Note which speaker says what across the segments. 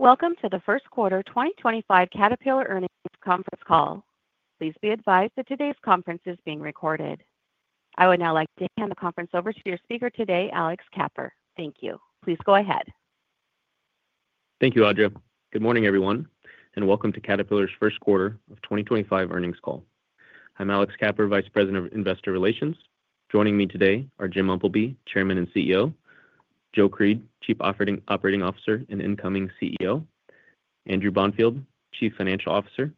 Speaker 1: Welcome to the First Quarter 2025 Caterpillar Earnings Conference Call. Please be advised that today's conference is being recorded. I would now like to hand the conference over to your speaker today, Alex Kapper. Thank you. Please go ahead.
Speaker 2: Thank you, [Audra]. Good morning, everyone, and welcome to Caterpillar's first quarter of 2025 earnings call. I'm Alex Kapper, Vice President of Investor Relations. Joining me today are Jim Umpleby, Chairman and CEO; Joe Creed, Chief Operating Officer and incoming CEO; Andrew Bonfield, Chief Financial Officer;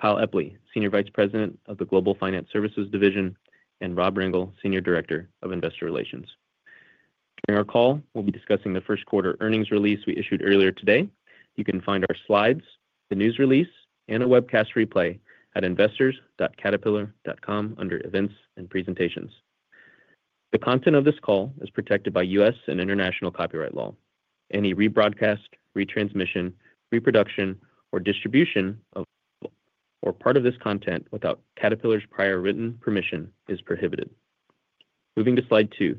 Speaker 2: Kyle Epley, Senior Vice President of the Global Finance Services Division; and Rob Rengel, Senior Director of Investor Relations. During our call, we'll be discussing the first quarter earnings release we issued earlier today. You can find our slides, the news release, and a webcast replay at investors.caterpillar.com under Events and Presentations. The content of this call is protected by US and international copyright law. Any rebroadcast, retransmission, reproduction, or distribution of or part of this content without Caterpillar's prior written permission is prohibited. Moving to slide two,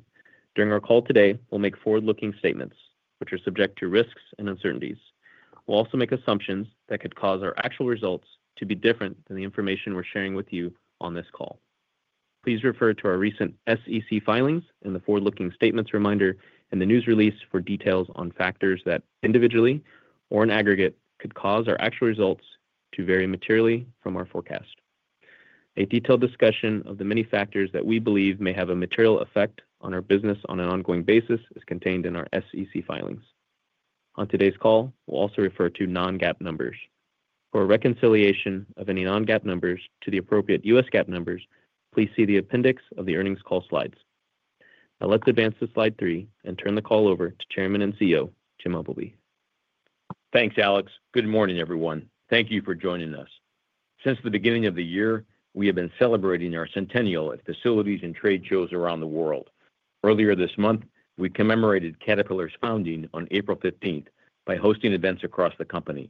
Speaker 2: during our call today, we'll make forward-looking statements, which are subject to risks and uncertainties. We'll also make assumptions that could cause our actual results to be different than the information we're sharing with you on this call. Please refer to our recent SEC filings and the forward-looking statements reminder and the news release for details on factors that, individually or in aggregate, could cause our actual results to vary materially from our forecast. A detailed discussion of the many factors that we believe may have a material effect on our business on an ongoing basis is contained in our SEC filings. On today's call, we'll also refer to non-GAAP numbers. For a reconciliation of any non-GAAP numbers to the appropriate U.S. GAAP numbers, please see the appendix of the earnings call slides. Now, let's advance to slide three and turn the call over to Chairman and CEO, Jim Umpleby.
Speaker 3: Thanks, Alex. Good morning, everyone. Thank you for joining us. Since the beginning of the year, we have been celebrating our centennial at facilities and trade shows around the world. Earlier this month, we commemorated Caterpillar's founding on 15 April 2025 by hosting events across the company,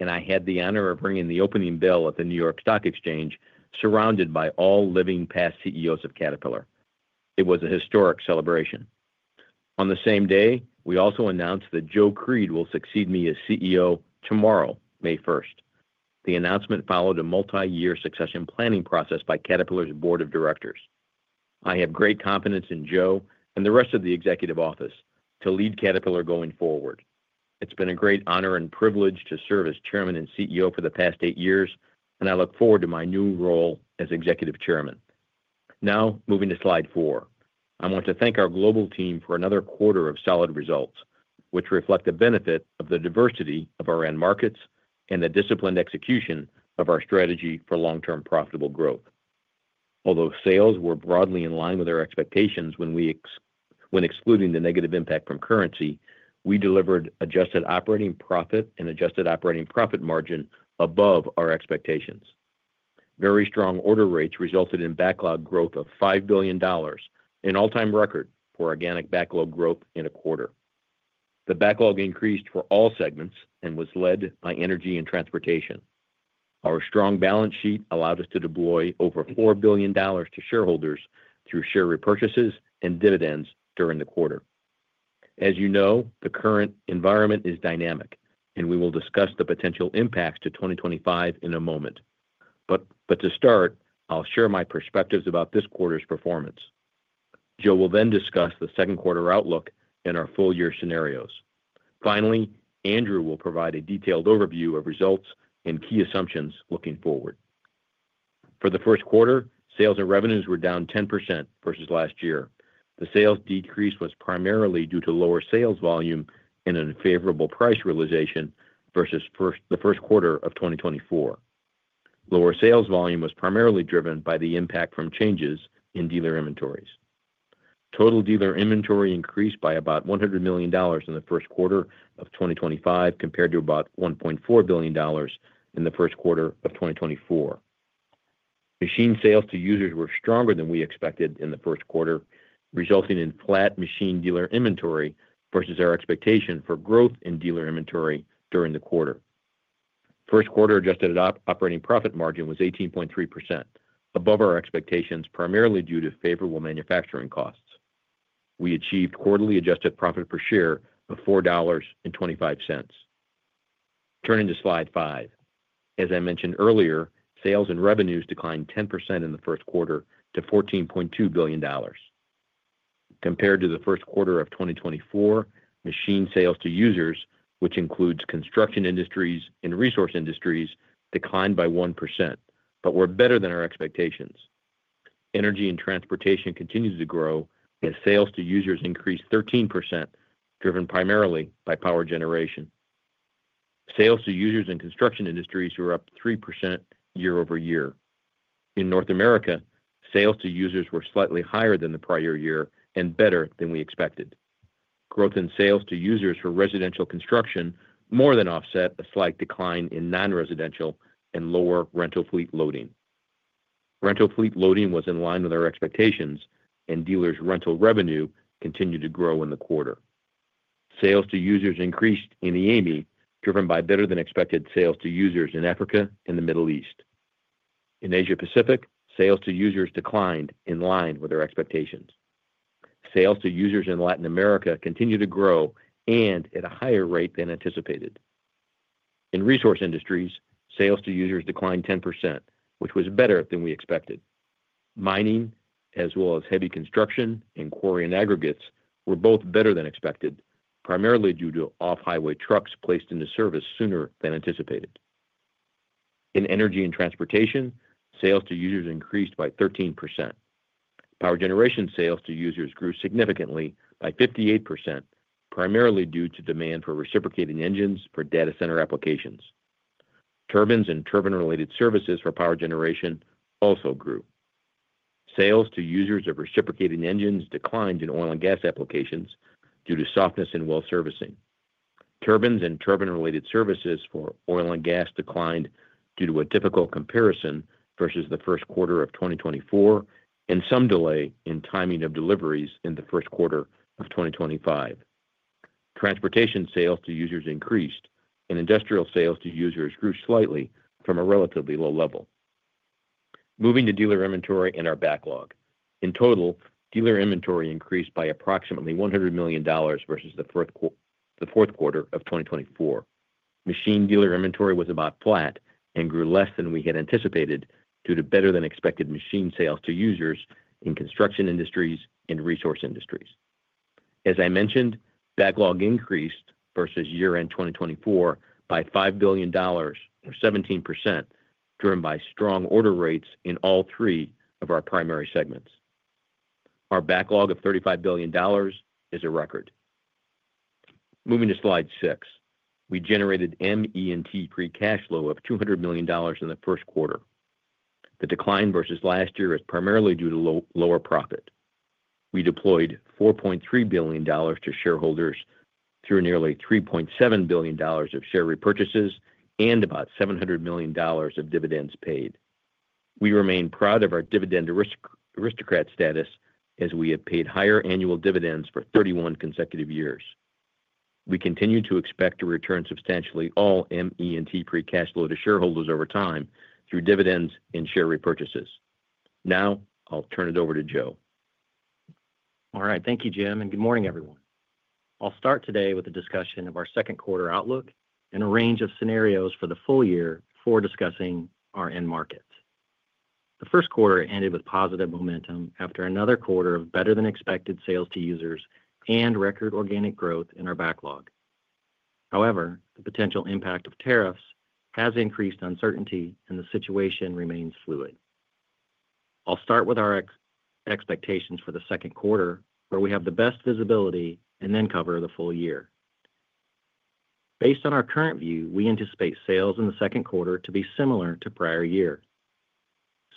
Speaker 3: and I had the honor of ringing the opening bell at the New York Stock Exchange, surrounded by all living past CEOs of Caterpillar. It was a historic celebration. On the same day, we also announced that Joe Creed will succeed me as CEO tomorrow, 1 May 2025. The announcement followed a multi-year succession planning process by Caterpillar's board of directors. I have great confidence in Joe and the rest of the executive office to lead Caterpillar going forward. It's been a great honor and privilege to serve as Chairman and CEO for the past eight years, and I look forward to my new role as Executive Chairman. Now, moving to slide four, I want to thank our global team for another quarter of solid results, which reflect the benefit of the diversity of our end markets and the disciplined execution of our strategy for long-term profitable growth. Although sales were broadly in line with our expectations when excluding the negative impact from currency, we delivered adjusted operating profit and adjusted operating profit margin above our expectations. Very strong order rates resulted in backlog growth of $5 billion, an all-time record for organic backlog growth in a quarter. The backlog increased for all segments and was led by energy and transportation. Our strong balance sheet allowed us to deploy over $4 billion to shareholders through share repurchases and dividends during the quarter. As you know, the current environment is dynamic, and we will discuss the potential impacts to 2025 in a moment. To start, I'll share my perspectives about this quarter's performance. Joe will then discuss the second quarter outlook and our full-year scenarios. Finally, Andrew will provide a detailed overview of results and key assumptions looking forward. For the first quarter, sales and revenues were down 10% versus last year. The sales decrease was primarily due to lower sales volume and an unfavorable price realization versus the first quarter of 2024. Lower sales volume was primarily driven by the impact from changes in dealer inventories. Total dealer inventory increased by about $100 million in the first quarter of 2025 compared to about $1.4 billion in the first quarter of 2024. Machine sales to users were stronger than we expected in the first quarter, resulting in flat machine dealer inventory versus our expectation for growth in dealer inventory during the quarter. First quarter adjusted operating profit margin was 18.3%, above our expectations primarily due to favorable manufacturing costs. We achieved quarterly adjusted profit per share of $4.25. Turning to slide five, as I mentioned earlier, sales and revenues declined 10% in the first quarter to $14.2 billion. Compared to the first quarter of 2024, machine sales to users, which includes construction industries and resource industries, declined by 1%, but were better than our expectations. Energy and transportation continued to grow, and sales to users increased 13%, driven primarily by power generation. Sales to users in construction industries were up 3% year-over-year. In North America, sales to users were slightly higher than the prior year and better than we expected. Growth in sales to users for residential construction more than offset a slight decline in non-residential and lower rental fleet loading. Rental fleet loading was in line with our expectations, and dealers' rental revenue continued to grow in the quarter. Sales to users increased in the EMEA driven by better-than-expected sales to users in Africa and the Middle East. In Asia-Pacific, sales to users declined in line with our expectations. Sales to users in Latin America continued to grow and at a higher rate than anticipated. In resource industries, sales to users declined 10%, which was better than we expected. Mining, as well as heavy construction and quarry and aggregates, were both better than expected, primarily due to off-highway trucks placed into service sooner than anticipated. In energy and transportation, sales to users increased by 13%. Power generation sales to users grew significantly by 58%, primarily due to demand for reciprocating engines for data center applications. Turbines and turbine-related services for power generation also grew. Sales to users of reciprocating engines declined in oil and gas applications due to softness in well servicing. Turbines and turbine-related services for oil and gas declined due to a difficult comparison versus the first quarter of 2024 and some delay in timing of deliveries in the first quarter of 2025. Transportation sales to users increased, and industrial sales to users grew slightly from a relatively low level. Moving to dealer inventory and our backlog. In total, dealer inventory increased by approximately $100 million versus the fourth quarter of 2024. Machine dealer inventory was about flat and grew less than we had anticipated due to better-than-expected machine sales to users in construction industries and resource industries. As I mentioned, backlog increased versus year-end 2024 by $5 billion, or 17%, driven by strong order rates in all three of our primary segments. Our backlog of $35 billion is a record. Moving to slide six, we generated ME&T free cash flow of $200 million in the first quarter. The decline versus last year is primarily due to lower profit. We deployed $4.3 billion to shareholders through nearly $3.7 billion of share repurchases and about $700 million of dividends paid. We remain proud of our dividend aristocrat status as we have paid higher annual dividends for 31 consecutive years. We continue to expect to return substantially all ME&T free cash flow to shareholders over time through dividends and share repurchases. Now, I'll turn it over to Joe.
Speaker 4: All right. Thank you, Jim. Good morning, everyone. I'll start today with a discussion of our second quarter outlook and a range of scenarios for the full year before discussing our end markets. The first quarter ended with positive momentum after another quarter of better-than-expected sales to users and record organic growth in our backlog. However, the potential impact of tariffs has increased uncertainty, and the situation remains fluid. I'll start with our expectations for the second quarter, where we have the best visibility and then cover the full year. Based on our current view, we anticipate sales in the second quarter to be similar to prior year.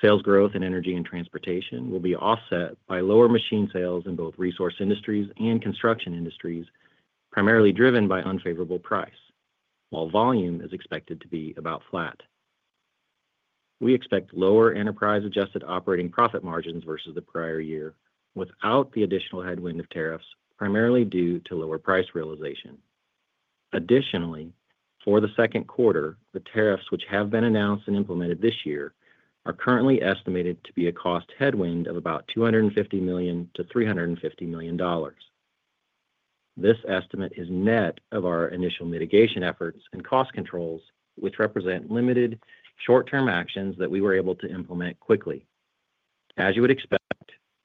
Speaker 4: Sales growth in energy and transportation will be offset by lower machine sales in both resource industries and construction industries, primarily driven by unfavorable price, while volume is expected to be about flat. We expect lower enterprise-adjusted operating profit margins versus the prior year without the additional headwind of tariffs, primarily due to lower price realization. Additionally, for the second quarter, the tariffs, which have been announced and implemented this year, are currently estimated to be a cost headwind of about $250 million-$350 million. This estimate is net of our initial mitigation efforts and cost controls, which represent limited short-term actions that we were able to implement quickly. As you would expect,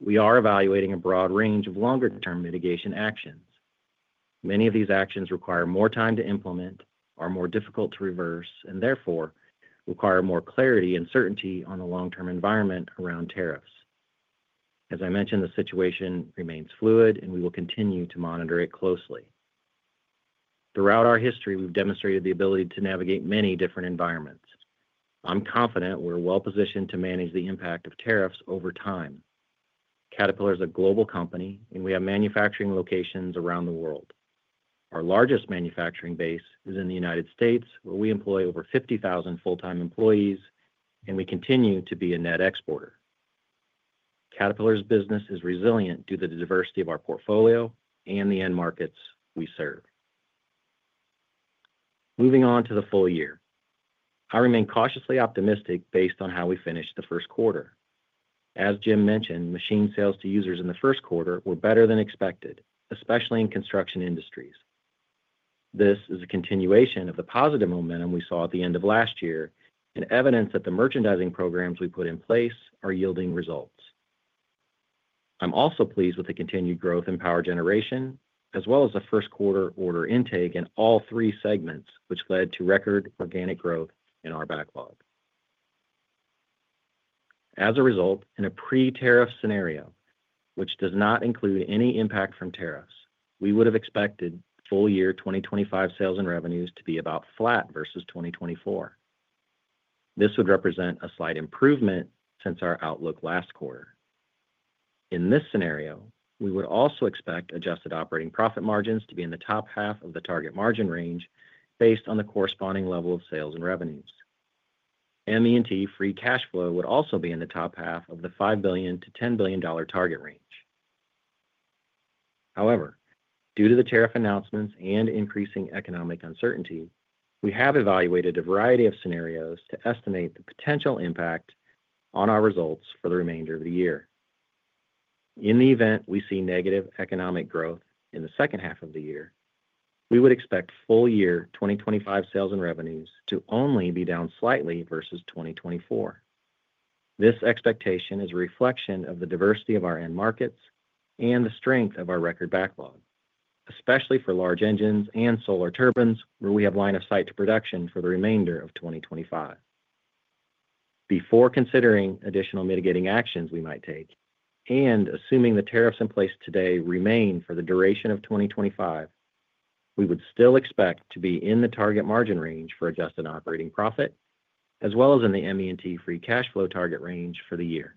Speaker 4: we are evaluating a broad range of longer-term mitigation actions. Many of these actions require more time to implement, are more difficult to reverse, and therefore require more clarity and certainty on the long-term environment around tariffs. As I mentioned, the situation remains fluid, and we will continue to monitor it closely. Throughout our history, we've demonstrated the ability to navigate many different environments. I'm confident we're well-positioned to manage the impact of tariffs over time. Caterpillar is a global company, and we have manufacturing locations around the world. Our largest manufacturing base is in the United States, where we employ over 50,000 full-time employees, and we continue to be a net exporter. Caterpillar's business is resilient due to the diversity of our portfolio and the end markets we serve. Moving on to the full year, I remain cautiously optimistic based on how we finished the first quarter. As Jim mentioned, machine sales to users in the first quarter were better than expected, especially in construction industries. This is a continuation of the positive momentum we saw at the end of last year and evidence that the merchandising programs we put in place are yielding results. I'm also pleased with the continued growth in power generation, as well as the first quarter order intake in all three segments, which led to record organic growth in our backlog. As a result, in a pre-tariff scenario, which does not include any impact from tariffs, we would have expected full year 2025 sales and revenues to be about flat versus 2024. This would represent a slight improvement since our outlook last quarter. In this scenario, we would also expect adjusted operating profit margins to be in the top half of the target margin range based on the corresponding level of sales and revenues. ME&T free cash flow would also be in the top half of the $5 billion-$10 billion target range. However, due to the tariff announcements and increasing economic uncertainty, we have evaluated a variety of scenarios to estimate the potential impact on our results for the remainder of the year. In the event we see negative economic growth in the second half of the year, we would expect full year 2025 sales and revenues to only be down slightly versus 2024. This expectation is a reflection of the diversity of our end markets and the strength of our record backlog, especially for large engines and Solar Turbines, where we have line of sight to production for the remainder of 2025. Before considering additional mitigating actions we might take and assuming the tariffs in place today remain for the duration of 2025, we would still expect to be in the target margin range for adjusted operating profit, as well as in the ME&T free cash flow target range for the year.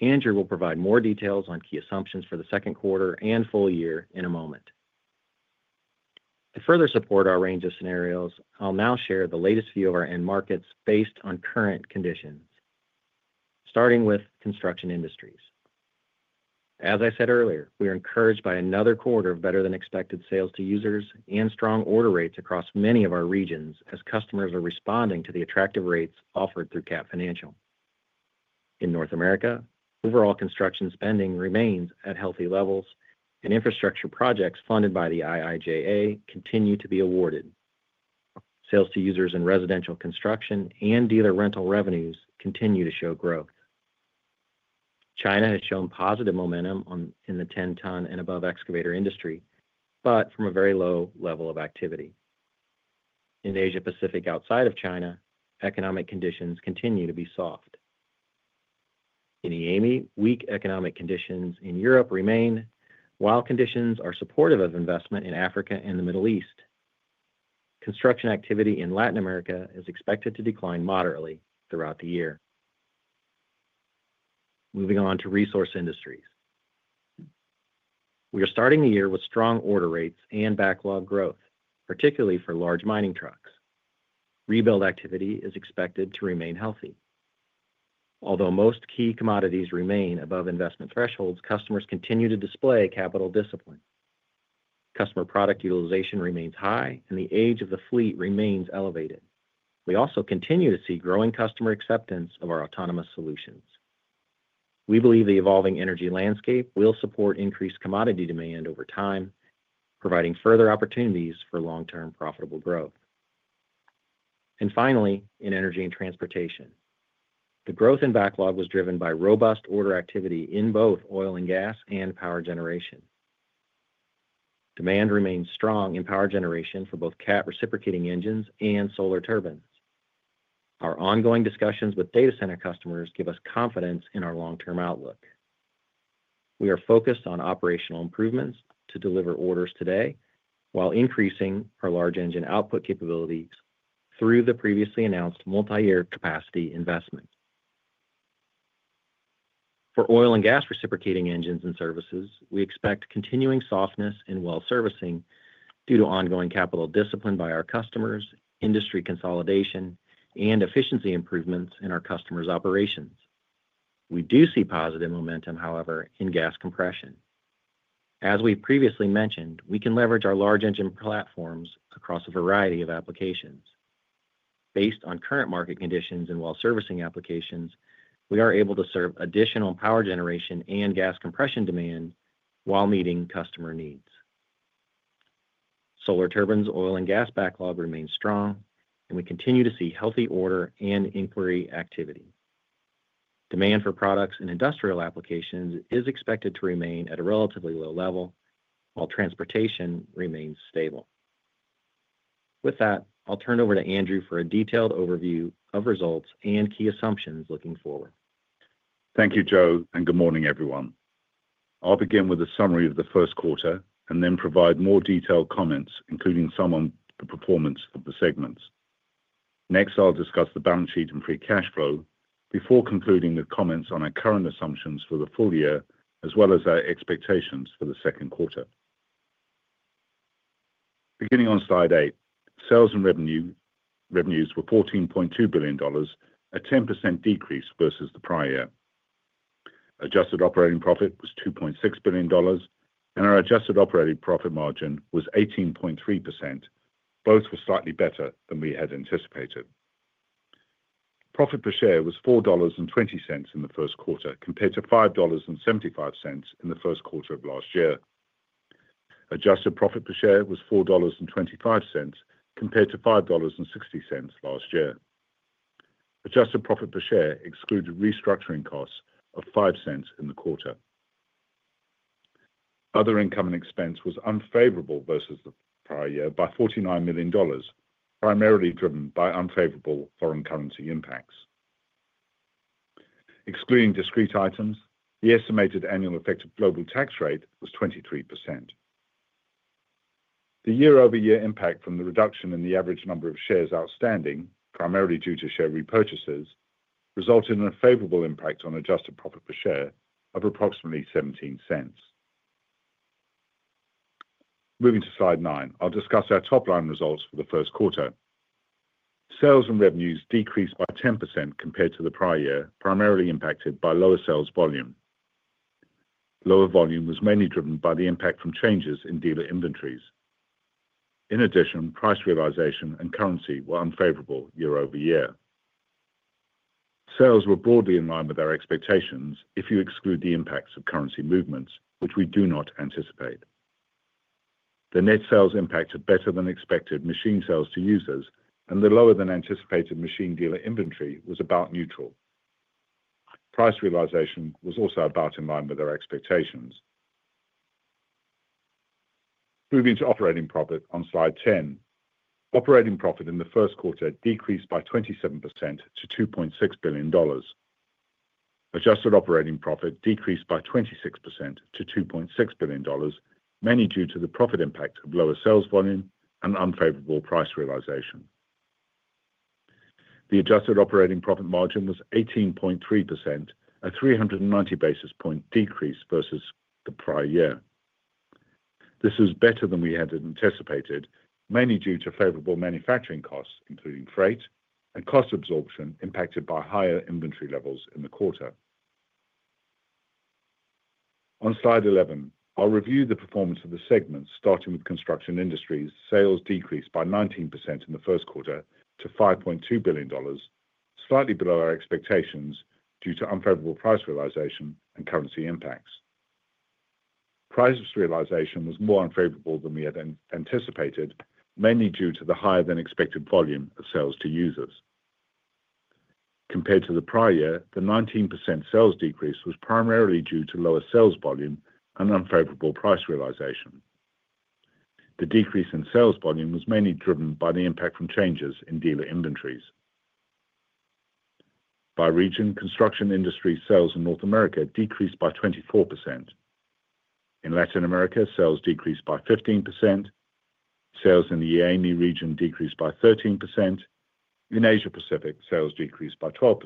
Speaker 4: Andrew will provide more details on key assumptions for the second quarter and full year in a moment. To further support our range of scenarios, I'll now share the latest view of our end markets based on current conditions, starting with construction industries. As I said earlier, we are encouraged by another quarter of better-than-expected sales to users and strong order rates across many of our regions as customers are responding to the attractive rates offered through Cat Financial. In North America, overall construction spending remains at healthy levels, and infrastructure projects funded by the IIJA continue to be awarded. Sales to users in residential construction and dealer rental revenues continue to show growth. China has shown positive momentum in the 10-ton-and-above excavator industry, but from a very low level of activity. In Asia-Pacific outside of China, economic conditions continue to be soft. In the EMEA, weak economic conditions in Europe remain, while conditions are supportive of investment in Africa and the Middle East. Construction activity in Latin America is expected to decline moderately throughout the year. Moving on to resource industries. We are starting the year with strong order rates and backlog growth, particularly for large mining trucks. Rebuild activity is expected to remain healthy. Although most key commodities remain above investment thresholds, customers continue to display capital discipline. Customer product utilization remains high, and the age of the fleet remains elevated. We also continue to see growing customer acceptance of our autonomous solutions. We believe the evolving energy landscape will support increased commodity demand over time, providing further opportunities for long-term profitable growth. Finally, in energy and transportation, the growth in backlog was driven by robust order activity in both oil and gas and power generation. Demand remains strong in power generation for both Cat reciprocating engines and Solar Turbines. Our ongoing discussions with data center customers give us confidence in our long-term outlook. We are focused on operational improvements to deliver orders today while increasing our large engine output capabilities through the previously announced multi-year capacity investment. For oil and gas reciprocating engines and services, we expect continuing softness in well servicing due to ongoing capital discipline by our customers, industry consolidation, and efficiency improvements in our customers' operations. We do see positive momentum, however, in gas compression. As we previously mentioned, we can leverage our large engine platforms across a variety of applications. Based on current market conditions and well servicing applications, we are able to serve additional power generation and gas compression demand while meeting customer needs. ` Turbines' oil and gas backlog remains strong, and we continue to see healthy order and inquiry activity. Demand for products and industrial applications is expected to remain at a relatively low level, while transportation remains stable. With that, I'll turn it over to Andrew for a detailed overview of results and key assumptions looking forward.
Speaker 5: Thank you, Joe, and good morning, everyone. I'll begin with a summary of the first quarter and then provide more detailed comments, including some on the performance of the segments. Next, I'll discuss the balance sheet and free cash flow before concluding with comments on our current assumptions for the full year, as well as our expectations for the second quarter. Beginning on slide eight, sales and revenues were $14.2 billion, a 10% decrease versus the prior year. Adjusted operating profit was $2.6 billion, and our adjusted operating profit margin was 18.3%, both were slightly better than we had anticipated. Profit per share was $4.20 in the first quarter compared to $5.75 in the first quarter of last year. Adjusted profit per share was $4.25 compared to $5.60 last year. Adjusted profit per share excluded restructuring costs of $0.05 in the quarter. Other income and expense was unfavorable versus the prior year by $49 million, primarily driven by unfavorable foreign currency impacts. Excluding discrete items, the estimated annual effective global tax rate was 23%. The year-over-year impact from the reduction in the average number of shares outstanding, primarily due to share repurchases, resulted in a favorable impact on adjusted profit per share of approximately $0.17. Moving to slide nine, I'll discuss our top line results for the first quarter. Sales and revenues decreased by 10% compared to the prior year, primarily impacted by lower sales volume. Lower volume was mainly driven by the impact from changes in dealer inventories. In addition, price realization and currency were unfavorable year-over-year. Sales were broadly in line with our expectations if you exclude the impacts of currency movements, which we do not anticipate. The net sales impact of better-than-expected machine sales to users and the lower-than-anticipated machine dealer inventory was about neutral. Price realization was also about in line with our expectations. Moving to operating profit on slide 10, operating profit in the first quarter decreased by 27% to $2.6 billion. Adjusted operating profit decreased by 26% to $2.6 billion, mainly due to the profit impact of lower sales volume and unfavorable price realization. The adjusted operating profit margin was 18.3%, a 390 basis point decrease versus the prior year. This was better than we had anticipated, mainly due to favorable manufacturing costs, including freight and cost absorption impacted by higher inventory levels in the quarter. On slide 11, I'll review the performance of the segments, starting with construction industries. Sales decreased by 19% in the first quarter to $5.2 billion, slightly below our expectations due to unfavorable price realization and currency impacts. Price realization was more unfavorable than we had anticipated, mainly due to the higher-than-expected volume of sales to users. Compared to the prior year, the 19% sales decrease was primarily due to lower sales volume and unfavorable price realization. The decrease in sales volume was mainly driven by the impact from changes in dealer inventories. By region, construction industry sales in North America decreased by 24%. In Latin America, sales decreased by 15%. Sales in the EMEA region decreased by 13%. In Asia-Pacific, sales decreased by 12%.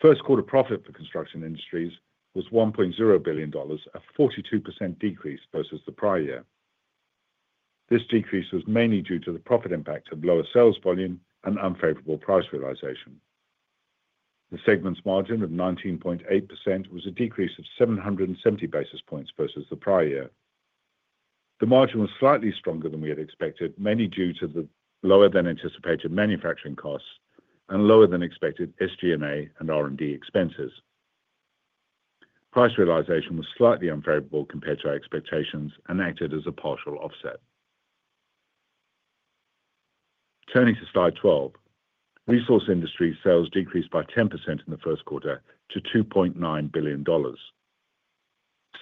Speaker 5: First quarter profit for construction industries was $1.0 billion, a 42% decrease versus the prior year. This decrease was mainly due to the profit impact of lower sales volume and unfavorable price realization. The segment's margin of 19.8% was a decrease of 770 basis points versus the prior year. The margin was slightly stronger than we had expected, mainly due to the lower-than-anticipated manufacturing costs and lower-than-expected SG&A and R&D expenses. Price realization was slightly unfavorable compared to our expectations and acted as a partial offset. Turning to slide 12, resource industry sales decreased by 10% in the first quarter to $2.9 billion.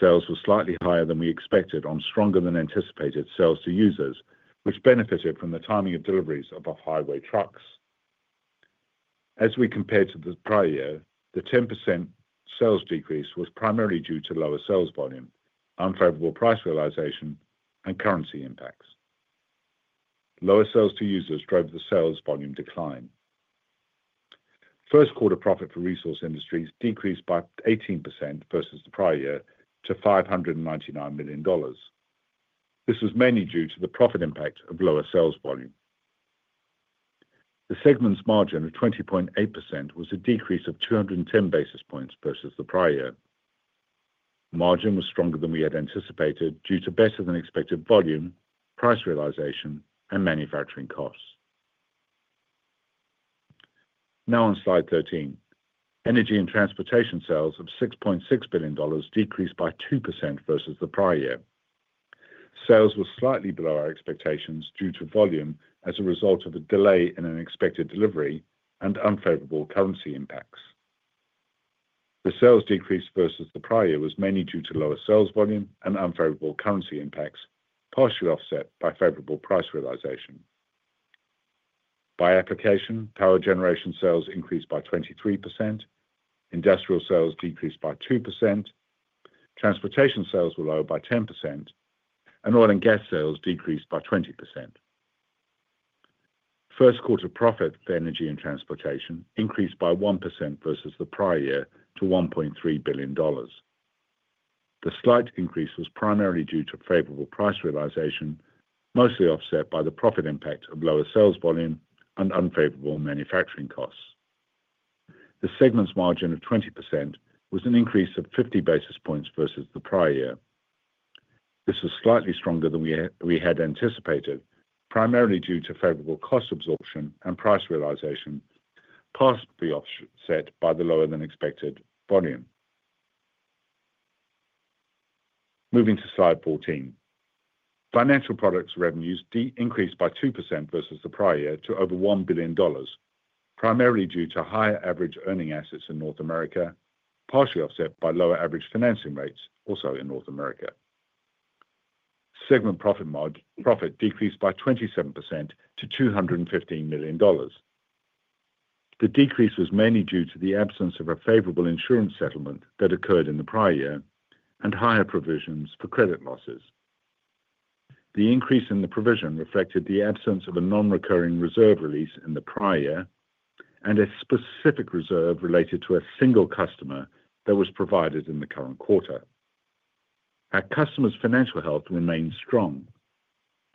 Speaker 5: Sales were slightly higher than we expected on stronger-than-anticipated sales to users, which benefited from the timing of deliveries of our highway trucks. As we compared to the prior year, the 10% sales decrease was primarily due to lower sales volume, unfavorable price realization, and currency impacts. Lower sales to users drove the sales volume decline. First quarter profit for resource industries decreased by 18% versus the prior year to $599 million. This was mainly due to the profit impact of lower sales volume. The segment's margin of 20.8% was a decrease of 210 basis points versus the prior year. Margin was stronger than we had anticipated due to better-than-expected volume, price realization, and manufacturing costs. Now on slide 13, energy and transportation sales of $6.6 billion decreased by 2% versus the prior year. Sales were slightly below our expectations due to volume as a result of a delay in an expected delivery and unfavorable currency impacts. The sales decrease versus the prior year was mainly due to lower sales volume and unfavorable currency impacts, partially offset by favorable price realization. By application, power generation sales increased by 23%. Industrial sales decreased by 2%. Transportation sales were lower by 10%, and oil and gas sales decreased by 20%. First quarter profit for energy and transportation increased by 1% versus the prior year to $1.3 billion. The slight increase was primarily due to favorable price realization, mostly offset by the profit impact of lower sales volume and unfavorable manufacturing costs. The segment's margin of 20% was an increase of 50 basis points versus the prior year. This was slightly stronger than we had anticipated, primarily due to favorable cost absorption and price realization partially offset by the lower-than-expected volume. Moving to slide 14, financial products revenues increased by 2% versus the prior year to over $1 billion, primarily due to higher average earning assets in North America, partially offset by lower average financing rates also in North America. Segment profit decreased by 27% to $215 million. The decrease was mainly due to the absence of a favorable insurance settlement that occurred in the prior year and higher provisions for credit losses. The increase in the provision reflected the absence of a non-recurring reserve release in the prior year and a specific reserve related to a single customer that was provided in the current quarter. Our customers' financial health remained strong.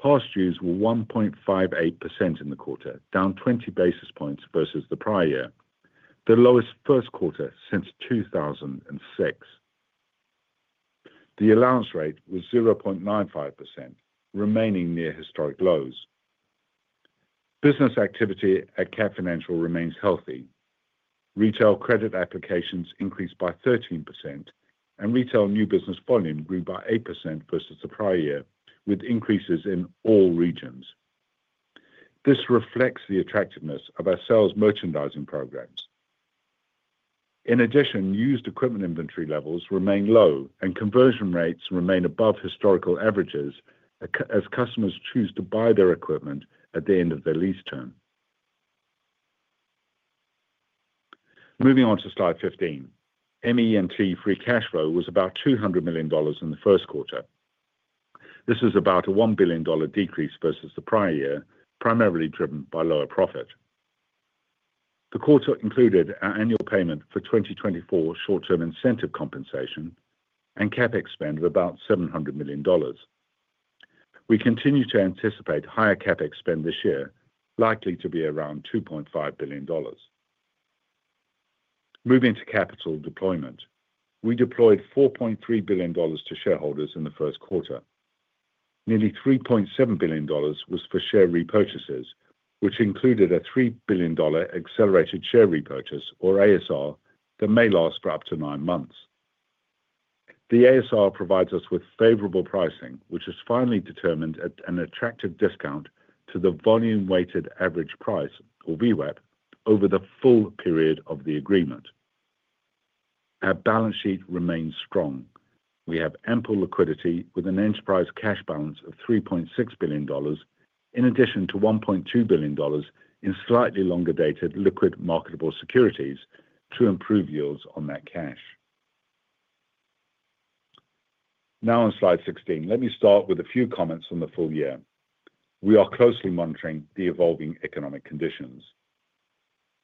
Speaker 5: Past dues were 1.58% in the quarter, down 20 basis points versus the prior year, the lowest first quarter since 2006. The allowance rate was 0.95%, remaining near historic lows. Business activity at Cat Financial remains healthy. Retail credit applications increased by 13%, and retail new business volume grew by 8% versus the prior year, with increases in all regions. This reflects the attractiveness of our sales merchandising programs. In addition, used equipment inventory levels remain low, and conversion rates remain above historical averages as customers choose to buy their equipment at the end of their lease term. Moving on to slide 15, ME&T free cash flow was about $200 million in the first quarter. This was about a $1-billion decrease versus the prior year, primarily driven by lower profit. The quarter included our annual payment for 2024 short-term incentive compensation and CapEx of about $700 million. We continue to anticipate higher CapEx this year, likely to be around $2.5 billion. Moving to capital deployment, we deployed $4.3 billion to shareholders in the first quarter. Nearly $3.7 billion was for share repurchases, which included a $3 billion accelerated share repurchase, or ASR, that may last for up to nine months. The ASR provides us with favorable pricing, which is finally determined at an attractive discount to the volume-weighted average price, or VWAP, over the full period of the agreement. Our balance sheet remains strong. We have ample liquidity with an enterprise cash balance of $3.6 billion, in addition to $1.2 billion in slightly longer dated liquid marketable securities to improve yields on that cash. Now on slide 16, let me start with a few comments on the full year. We are closely monitoring the evolving economic conditions.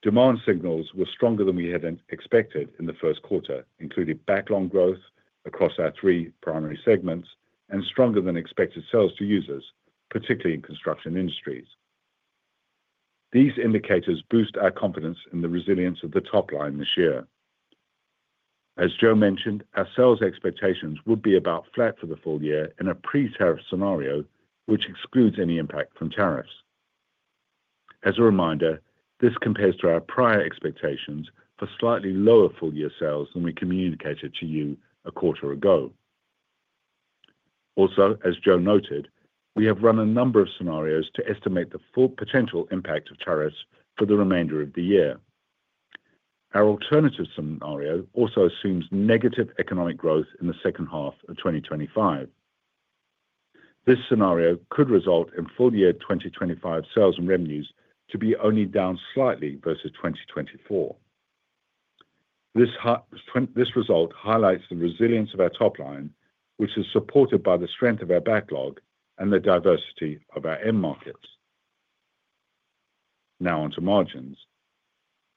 Speaker 5: Demand signals were stronger than we had expected in the first quarter, including backlog growth across our three primary segments and stronger-than-expected sales to users, particularly in construction industries. These indicators boost our confidence in the resilience of the top line this year. As Joe mentioned, our sales expectations would be about flat for the full year in a pre-tariff scenario, which excludes any impact from tariffs. As a reminder, this compares to our prior expectations for slightly lower full-year sales than we communicated to you a quarter ago. Also, as Joe noted, we have run a number of scenarios to estimate the full potential impact of tariffs for the remainder of the year. Our alternative scenario also assumes negative economic growth in the second half of 2025. This scenario could result in full-year 2025 sales and revenues to be only down slightly versus 2024. This result highlights the resilience of our top line, which is supported by the strength of our backlog and the diversity of our end markets. Now on to margins.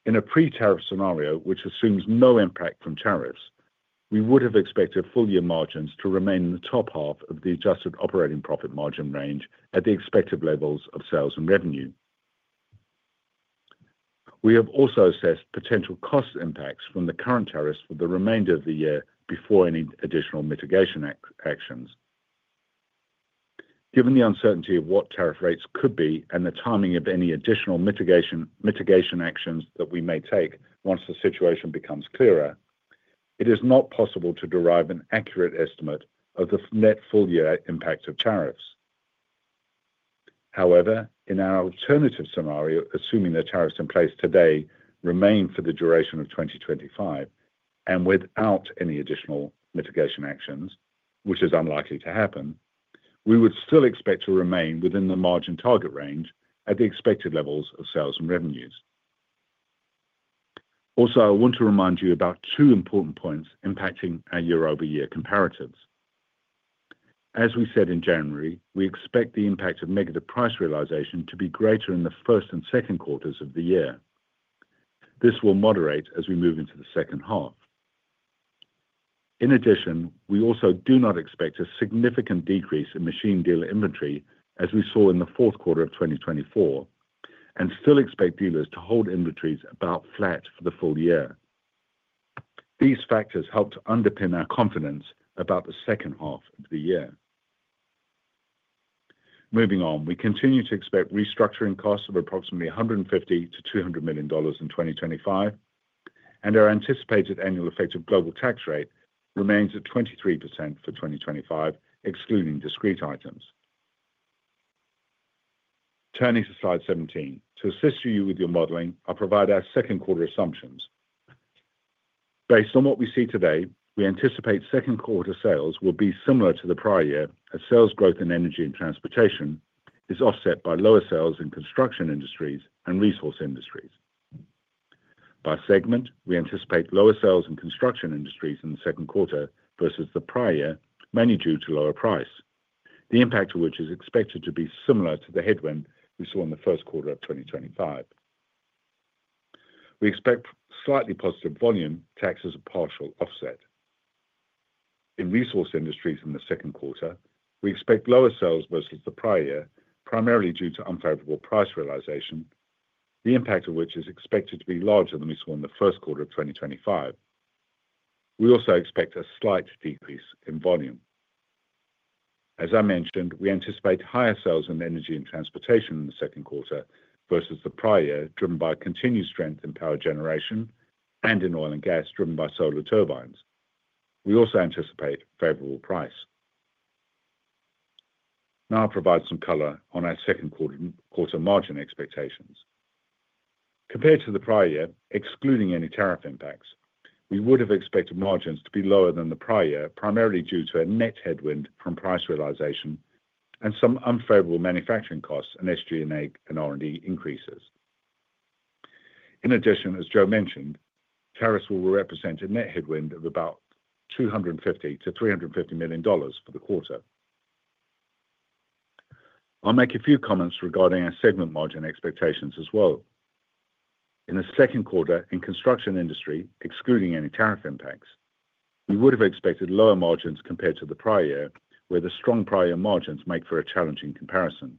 Speaker 5: In a pre-tariff scenario, which assumes no impact from tariffs, we would have expected full-year margins to remain in the top half of the adjusted operating profit margin range at the expected levels of sales and revenue. We have also assessed potential cost impacts from the current tariffs for the remainder of the year before any additional mitigation actions. Given the uncertainty of what tariff rates could be and the timing of any additional mitigation actions that we may take once the situation becomes clearer, it is not possible to derive an accurate estimate of the net full-year impact of tariffs. However, in our alternative scenario, assuming the tariffs in place today remain for the duration of 2025 and without any additional mitigation actions, which is unlikely to happen, we would still expect to remain within the margin target range at the expected levels of sales and revenues. Also, I want to remind you about two important points impacting our year-over-year comparatives. As we said in January 2025, we expect the impact of negative price realization to be greater in the first and second quarters of the year. This will moderate as we move into the second half. In addition, we also do not expect a significant decrease in machine dealer inventory, as we saw in the fourth quarter of 2024, and still expect dealers to hold inventories about flat for the full year. These factors help to underpin our confidence about the second half of the year. Moving on, we continue to expect restructuring costs of approximately $150 million to $200 million in 2025, and our anticipated annual effective global tax rate remains at 23% for 2025, excluding discrete items. Turning to slide 17, to assist you with your modeling, I'll provide our second quarter assumptions. Based on what we see today, we anticipate second quarter sales will be similar to the prior year, as sales growth in energy and transportation is offset by lower sales in construction industries and resource industries. By segment, we anticipate lower sales in construction industries in the second quarter versus the prior year, mainly due to lower price, the impact of which is expected to be similar to the headwind we saw in the first quarter of 2025. We expect slightly positive volume acts as partial offset. In resource industries in the second quarter, we expect lower sales versus the prior year, primarily due to unfavorable price realization, the impact of which is expected to be larger than we saw in the first quarter of 2025. We also expect a slight decrease in volume. As I mentioned, we anticipate higher sales in energy and transportation in the second quarter versus the prior year, driven by continued strength in power generation and in oil and gas driven by Solar Turbines. We also anticipate favorable price. Now I'll provide some color on our second quarter margin expectations. Compared to the prior year, excluding any tariff impacts, we would have expected margins to be lower than the prior year, primarily due to a net headwind from price realization and some unfavorable manufacturing costs and SG&A and R&D increases. In addition, as Joe mentioned, tariffs will represent a net headwind of about $250 to 350 million for the quarter. I'll make a few comments regarding our segment margin expectations as well. In the second quarter, in construction industry, excluding any tariff impacts, we would have expected lower margins compared to the prior year, where the strong prior year margins make for a challenging comparison.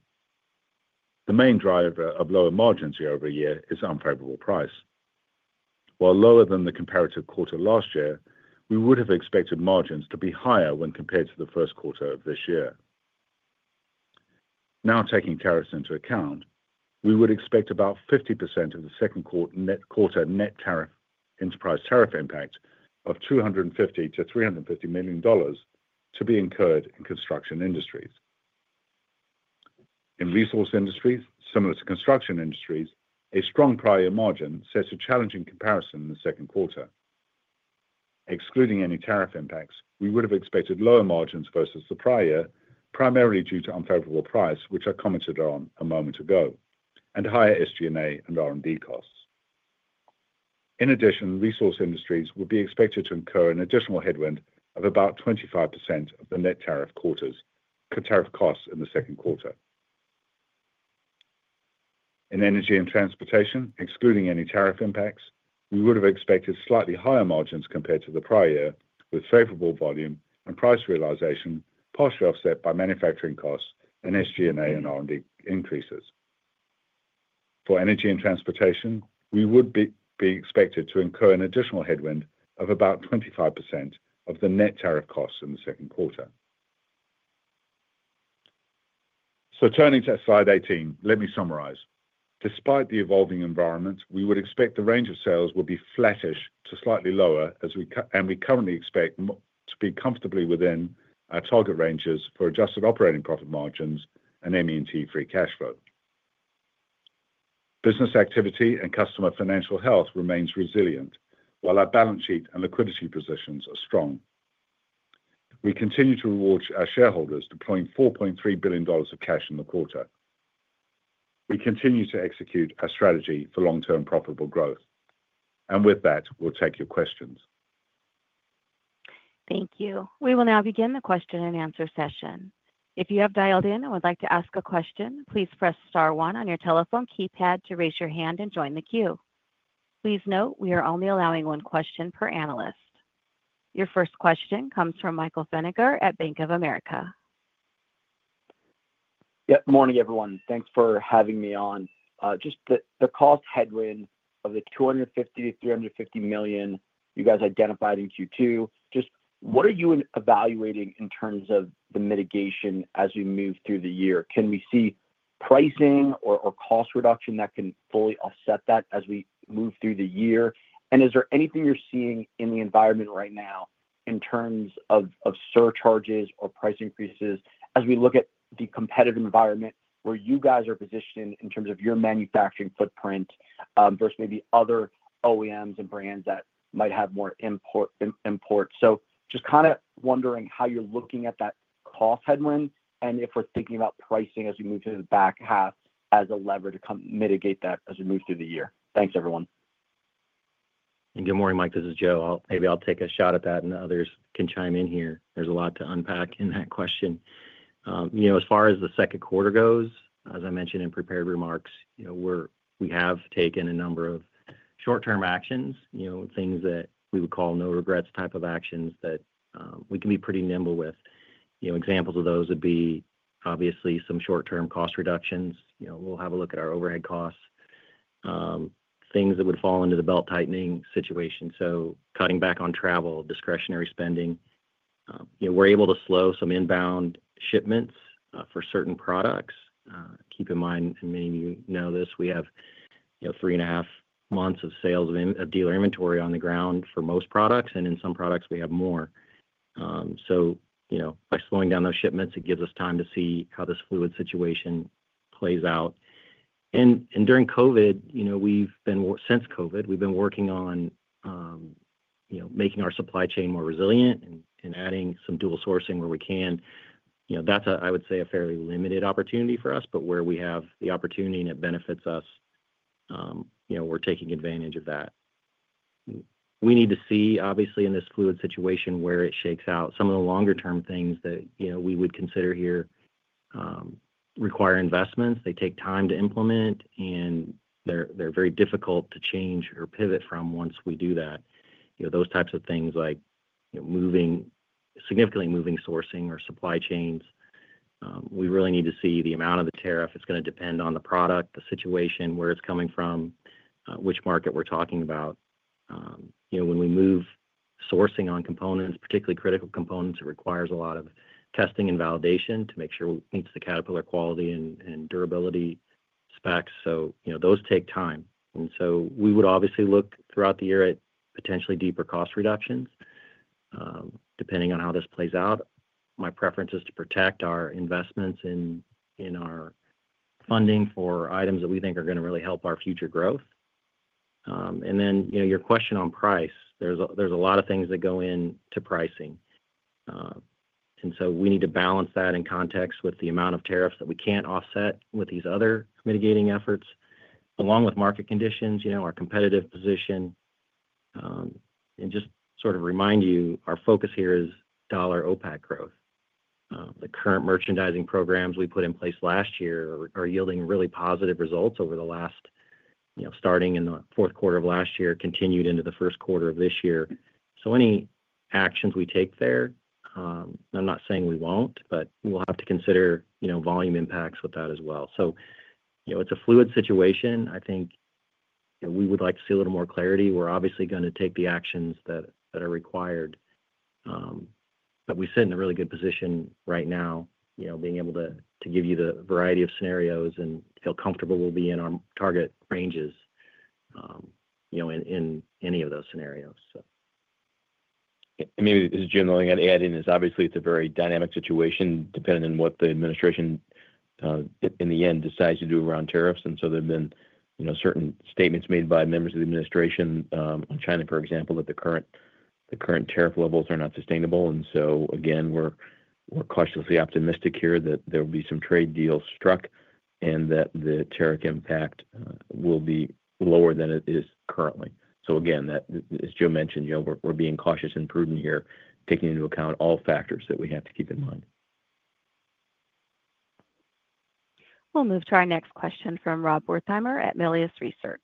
Speaker 5: The main driver of lower margins year-over-year is unfavorable price. While lower than the comparative quarter last year, we would have expected margins to be higher when compared to the first quarter of this year. Now, taking tariffs into account, we would expect about 50% of the second quarter net tariff enterprise tariff impact of $250 to 350 million to be incurred in construction industries. In resource industries, similar to construction industries, a strong prior year margin sets a challenging comparison in the second quarter. Excluding any tariff impacts, we would have expected lower margins versus the prior year, primarily due to unfavorable price, which I commented on a moment ago, and higher SG&A and R&D costs. In addition, resource industries would be expected to incur an additional headwind of about 25% of the net tariff quarters, tariff costs in the second quarter. In energy and transportation, excluding any tariff impacts, we would have expected slightly higher margins compared to the prior year, with favorable volume and price realization partially offset by manufacturing costs and SG&A and R&D increases. For energy and transportation, we would be expected to incur an additional headwind of about 25% of the net tariff costs in the second quarter. Turning to slide 18, let me summarize. Despite the evolving environment, we would expect the range of sales will be flattish to slightly lower, and we currently expect to be comfortably within our target ranges for adjusted operating profit margins and ME&T free cash flow. Business activity and customer financial health remains resilient, while our balance sheet and liquidity positions are strong. We continue to reward our shareholders, deploying $4.3 billion of cash in the quarter. We continue to execute our strategy for long-term profitable growth. With that, we'll take your questions.
Speaker 1: Thank you. We will now begin the question-and-answer session. If you have dialed in and would like to ask a question, please press star one on your telephone keypad to raise your hand and join the queue. Please note we are only allowing one question per analyst. Your first question comes from Michael Feniger at Bank of America.
Speaker 6: Yep. Good morning, everyone. Thanks for having me on. Just the cost headwind of the $250 to 350 million you guys identified in Q2, just what are you evaluating in terms of the mitigation as we move through the year? Can we see pricing or cost reduction that can fully offset that as we move through the year? Is there anything you're seeing in the environment right now in terms of surcharges or price increases as we look at the competitive environment where you guys are positioned in terms of your manufacturing footprint versus maybe other OEMs and brands that might have more imports? Just kind of wondering how you're looking at that cost headwind and if we're thinking about pricing as we move to the back half as a lever to mitigate that as we move through the year. Thanks, everyone.
Speaker 4: Good morning, Mike. This is Joe. Maybe I'll take a shot at that, and others can chime in here. There's a lot to unpack in that question. As far as the second quarter goes, as I mentioned in prepared remarks, we have taken a number of short-term actions, things that we would call no-regrets type of actions that we can be pretty nimble with. Examples of those would be, obviously, some short-term cost reductions. We'll have a look at our overhead costs, things that would fall under the belt tightening situation. Cutting back on travel, discretionary spending. We're able to slow some inbound shipments for certain products. Keep in mind, and many of you know this, we have three-and a half months of sales of dealer inventory on the ground for most products, and in some products, we have more. By slowing down those shipments, it gives us time to see how this fluid situation plays out. During COVID, since COVID, we've been working on making our supply chain more resilient and adding some dual sourcing where we can. That's, I would say, a fairly limited opportunity for us, but where we have the opportunity and it benefits us, we're taking advantage of that. We need to see, obviously, in this fluid situation where it shakes out. Some of the longer-term things that we would consider here require investments. They take time to implement, and they're very difficult to change or pivot from once we do that. Those types of things like significantly moving sourcing or supply chains. We really need to see the amount of the tariff. It's going to depend on the product, the situation, where it's coming from, which market we're talking about. When we move sourcing on components, particularly critical components, it requires a lot of testing and validation to make sure it meets the Caterpillar quality and durability specs. Those take time. We would obviously look throughout the year at potentially deeper cost reductions. Depending on how this plays out, my preference is to protect our investments in our funding for items that we think are going to really help our future growth. Your question on price, there are a lot of things that go into pricing. We need to balance that in context with the amount of tariffs that we can't offset with these other mitigating efforts, along with market conditions, our competitive position. Just sort of remind you, our focus here is dollar-OPEC growth. The current merchandising programs we put in place last year are yielding really positive results over the last, starting in the fourth quarter of last year, continued into the first quarter of this year. Any actions we take there, and I'm not saying we won't, but we'll have to consider volume impacts with that as well. It's a fluid situation. I think we would like to see a little more clarity. We're obviously going to take the actions that are required, but we sit in a really good position right now, being able to give you the variety of scenarios and feel comfortable we'll be in our target ranges in any of those scenarios.
Speaker 3: This is Jim. I'm only going to add in is, obviously, it's a very dynamic situation depending on what the administration in the end decides to do around tariffs. There have been certain statements made by members of the administration on China, for example, that the current tariff levels are not sustainable. Again, we're cautiously optimistic here that there will be some trade deals struck and that the tariff impact will be lower than it is currently. As Joe mentioned, we're being cautious and prudent here, taking into account all factors that we have to keep in mind.
Speaker 1: We'll move to our next question from Rob Wertheimer at Melius Research.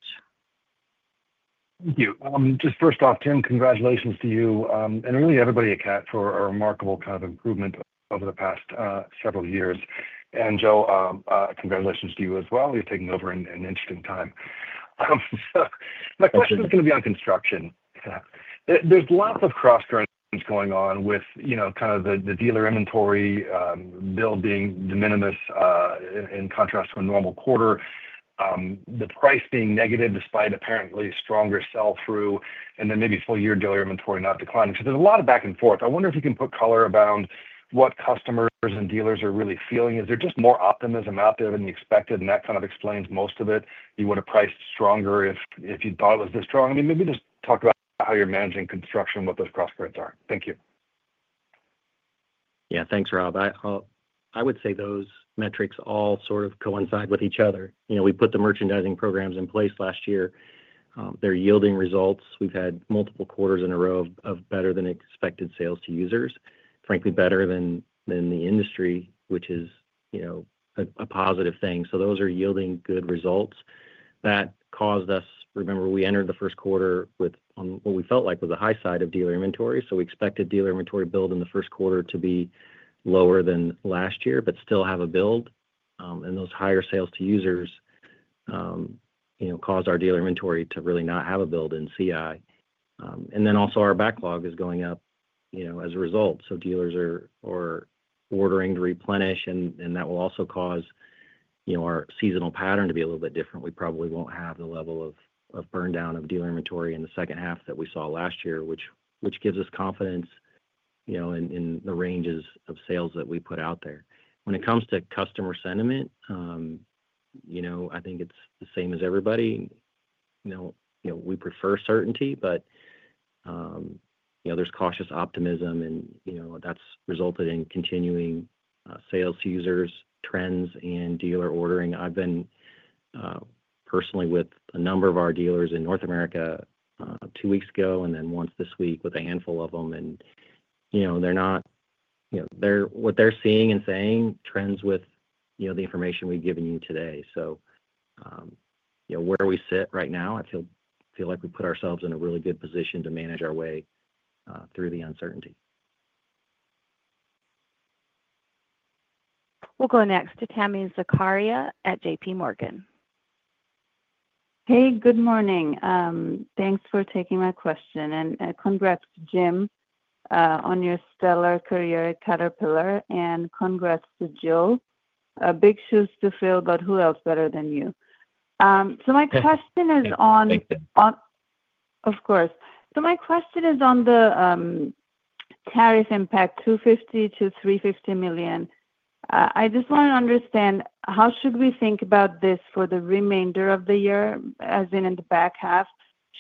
Speaker 7: Thank you. Just first off, Jim, congratulations to you and really everybody at Cat for a remarkable kind of improvement over the past several years. And Joe, congratulations to you as well. You're taking over in an interesting time. My question is going to be on construction. There's lots of cross-current things going on with kind of the dealer inventory build being de minimis in contrast to a normal quarter, the price being negative despite apparently stronger sell-through, and then maybe full-year dealer inventory not declining. There's a lot of back and forth. I wonder if you can put color around what customers and dealers are really feeling. Is there just more optimism out there than you expected? That kind of explains most of it. You would have priced stronger if you thought it was this strong. I mean, maybe just talk about how you're managing construction, what those cross-currents are. Thank you.
Speaker 4: Yeah. Thanks, Rob. I would say those metrics all sort of coincide with each other. We put the merchandising programs in place last year. They're yielding results. We've had multiple quarters in a row of better-than-expected sales to users, frankly, better than the industry, which is a positive thing. Those are yielding good results. That caused us, remember, we entered the first quarter on what we felt like was the high side of dealer inventory. We expected dealer inventory build in the first quarter to be lower than last year, but still have a build. Those higher sales to users caused our dealer inventory to really not have a build in CI. Also, our backlog is going up as a result. Dealers are ordering to replenish, and that will also cause our seasonal pattern to be a little bit different. We probably won't have the level of burndown of dealer inventory in the second half that we saw last year, which gives us confidence in the ranges of sales that we put out there. When it comes to customer sentiment, I think it's the same as everybody. We prefer certainty, but there's cautious optimism, and that's resulted in continuing sales to users, trends, and dealer ordering. I've been personally with a number of our dealers in North America two weeks ago and then once this week with a handful of them. They're not, what they're seeing and saying trends with the information we've given you today. Where we sit right now, I feel like we put ourselves in a really good position to manage our way through the uncertainty.
Speaker 1: We'll go next to Tami Zakaria at JP Morgan.
Speaker 8: Hey, good morning. Thanks for taking my question. Congrats, Jim, on your stellar career at Caterpillar, and congrats to Joe. Big shoes to fill, but who else better than you? My question is on the tariff impact, $250 to 350 million. I just want to understand how should we think about this for the remainder of the year as in the back half?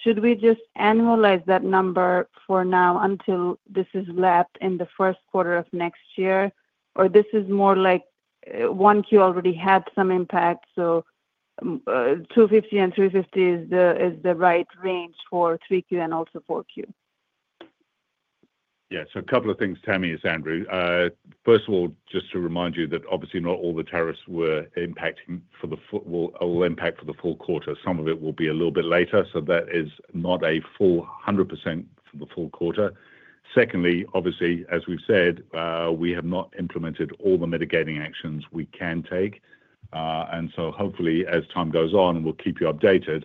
Speaker 8: Should we just annualize that number for now until this is lapped in the first quarter of next year, or this is more like Q1 already had some impact? So $250 million and $350 million is the right range for Q3 and also Q4?
Speaker 5: Yeah. A couple of things, Tami. It's Andrew. First of all, just to remind you that obviously not all the tariffs will impact for the full quarter. Some of it will be a little bit later, so that is not a full 100% for the full quarter. Secondly, obviously, as we've said, we have not implemented all the mitigating actions we can take. Hopefully, as time goes on, we'll keep you updated.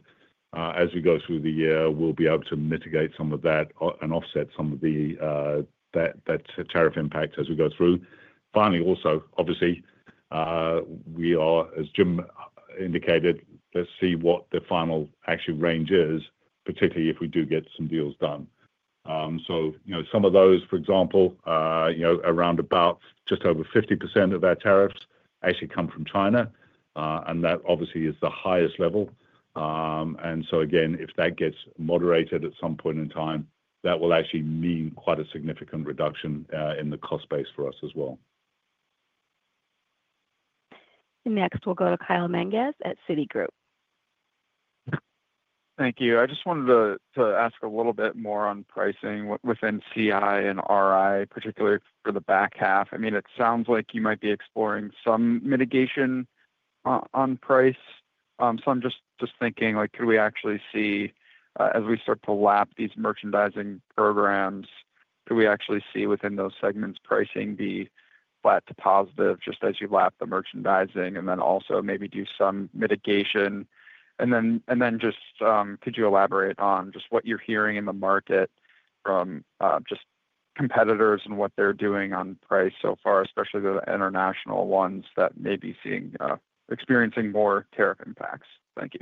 Speaker 5: As we go through the year, we'll be able to mitigate some of that and offset some of that tariff impact as we go through. Finally, also, obviously, as Jim indicated, let's see what the final actual range is, particularly if we do get some deals done. Some of those, for example, around about just over 50% of our tariffs actually come from China, and that obviously is the highest level. If that gets moderated at some point in time, that will actually mean quite a significant reduction in the cost base for us as well.
Speaker 1: Next, we'll go to Kyle Menges at Citigroup.
Speaker 9: Thank you. I just wanted to ask a little bit more on pricing within CI and RI, particularly for the back half. I mean, it sounds like you might be exploring some mitigation on price. I am just thinking, could we actually see, as we start to lap these merchandising programs, could we actually see within those segments pricing be flat to positive just as you lap the merchandising and then also maybe do some mitigation? Could you elaborate on just what you're hearing in the market from just competitors and what they're doing on price so far, especially the international ones that may be experiencing more tariff impacts? Thank you.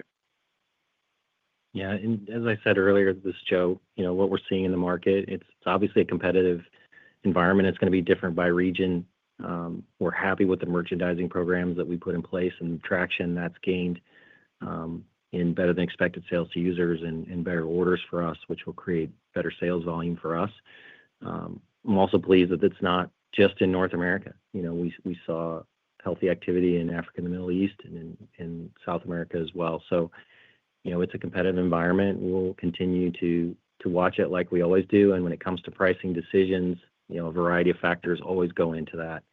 Speaker 4: Yeah. As I said earlier, this is Joe, what we're seeing in the market, it's obviously a competitive environment. It's going to be different by region. We're happy with the merchandising programs that we put in place and the traction that's gained in better-than-expected sales to users and better orders for us, which will create better sales volume for us. I'm also pleased that it's not just in North America. We saw healthy activity in Africa, in the Middle East, and in South America as well. It is a competitive environment. We'll continue to watch it like we always do. When it comes to pricing decisions, a variety of factors always go into that.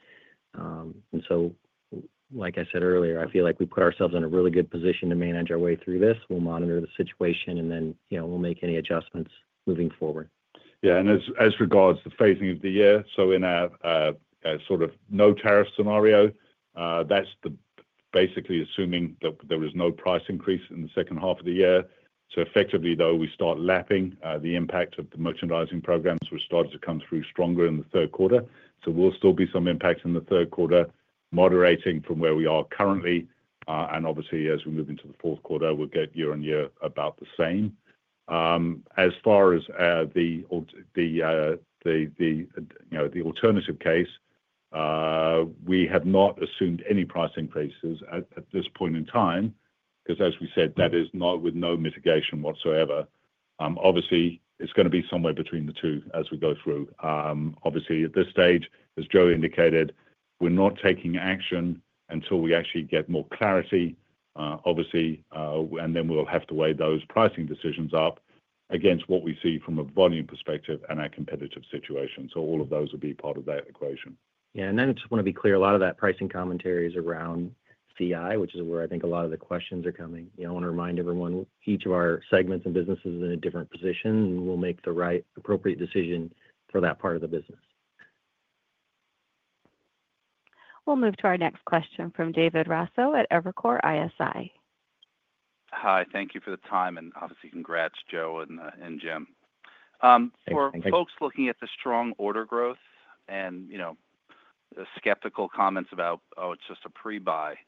Speaker 4: Like I said earlier, I feel like we put ourselves in a really good position to manage our way through this. We'll monitor the situation, and then we'll make any adjustments moving forward.
Speaker 5: Yeah. As regards the phasing of the year, in a sort of no-tariff scenario, that is basically assuming that there is no price increase in the second half of the year. Effectively, though, we start lapping the impact of the merchandising programs, which started to come through stronger in the third quarter. There will still be some impact in the third quarter, moderating from where we are currently. Obviously, as we move into the fourth quarter, we will get year-on-year about the same. As far as the alternative case, we have not assumed any price increases at this point in time because, as we said, that is not with no mitigation whatsoever. Obviously, it is going to be somewhere between the two as we go through. Obviously, at this stage, as Joe indicated, we're not taking action until we actually get more clarity, obviously, and then we'll have to weigh those pricing decisions up against what we see from a volume perspective and our competitive situation. All of those will be part of that equation.
Speaker 4: Yeah. I just want to be clear, a lot of that pricing commentary is around CI, which is where I think a lot of the questions are coming. I want to remind everyone, each of our segments and businesses is in a different position, and we'll make the right appropriate decision for that part of the business.
Speaker 1: We'll move to our next question from David Raso at Evercore ISI.
Speaker 10: Hi. Thank you for the time. Obviously, congrats, Joe and Jim. For folks looking at the strong order growth and the skeptical comments about, "Oh, it's just a pre-buy."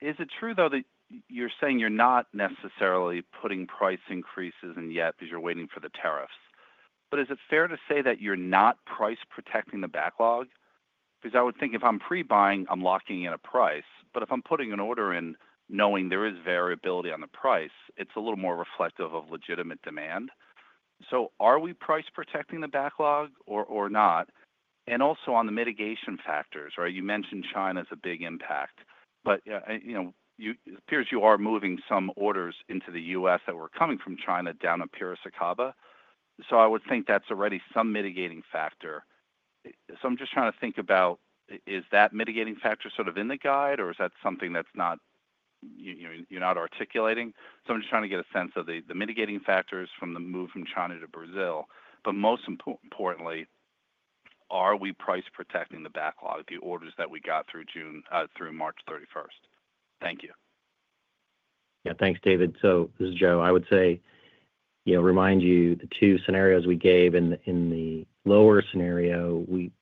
Speaker 10: Is it true, though, that you're saying you're not necessarily putting price increases in yet because you're waiting for the tariffs? Is it fair to say that you're not price protecting the backlog? I would think if I'm pre-buying, I'm locking in a price. If I'm putting an order in knowing there is variability on the price, it's a little more reflective of legitimate demand. Are we price protecting the backlog or not? Also, on the mitigation factors, right? You mentioned China is a big impact. It appears you are moving some orders into the U.S. that were coming from China down to Piracicaba. I would think that's already some mitigating factor. I'm just trying to think about, is that mitigating factor sort of in the guide, or is that something that you're not articulating? I'm just trying to get a sense of the mitigating factors from the move from China to Brazil. Most importantly, are we price protecting the backlog, the orders that we got through 31 March 2025? Thank you.
Speaker 4: Yeah. Thanks, David. This is Joe. I would say, remind you, the two scenarios we gave in the lower scenario, we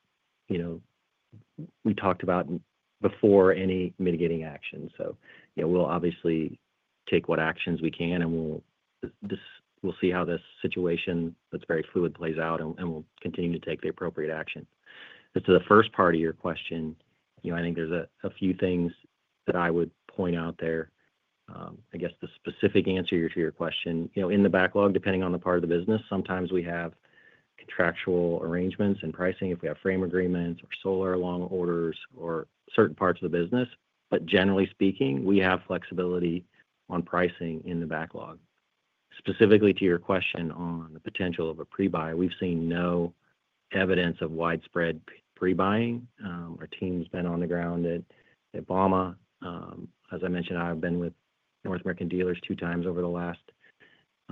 Speaker 4: talked about before any mitigating action. We'll obviously take what actions we can, and we'll see how this situation that's very fluid plays out, and we'll continue to take the appropriate action. As to the first part of your question, I think there's a few things that I would point out there. I guess the specific answer to your question, in the backlog, depending on the part of the business, sometimes we have contractual arrangements in pricing if we have frame agreements or Solar long orders or certain parts of the business. Generally speaking, we have flexibility on pricing in the backlog. Specifically to your question on the potential of a pre-buy, we've seen no evidence of widespread pre-buying. Our team's been on the ground at [De Palma]. As I mentioned, I've been with North American dealers two times over the last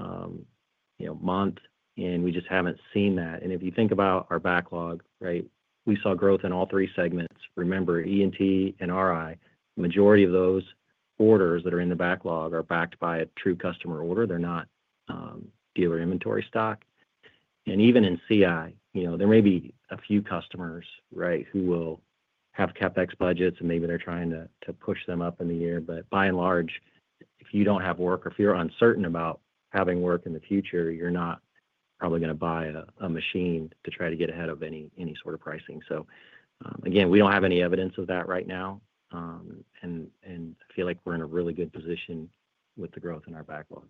Speaker 4: month, and we just haven't seen that. If you think about our backlog, right, we saw growth in all three segments. Remember, E&T and RI, the majority of those orders that are in the backlog are backed by a true customer order. They're not dealer inventory stock. Even in CI, there may be a few customers, right, who will have CapEx budgets, and maybe they are trying to push them up in the year. By and large, if you do not have work, or if you are uncertain about having work in the future, you are not probably going to buy a machine to try to get ahead of any sort of pricing. Again, we do not have any evidence of that right now. I feel like we are in a really good position with the growth in our backlog.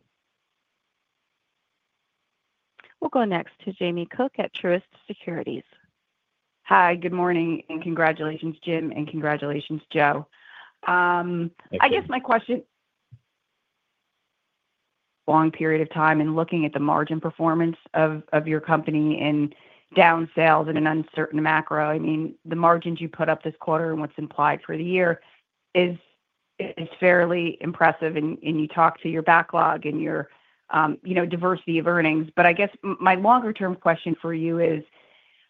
Speaker 1: We will go next to Jamie Cook at Truist Securities.
Speaker 11: Hi. Good morning. Congratulations, Jim, and congratulations, Joe. I guess my question, long period of time and looking at the margin performance of your company in downsales and an uncertain macro, I mean, the margins you put up this quarter and what is implied for the year is fairly impressive. You talk to your backlog and your diversity of earnings. I guess my longer-term question for you is,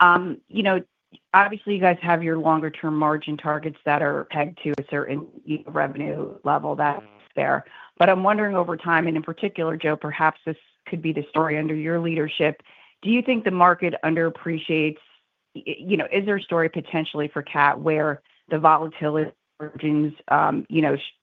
Speaker 11: obviously, you guys have your longer-term margin targets that are pegged to a certain revenue level that's there. I'm wondering over time, and in particular, Joe, perhaps this could be the story under your leadership. Do you think the market underappreciates? Is there a story potentially for CAT where the volatility of margins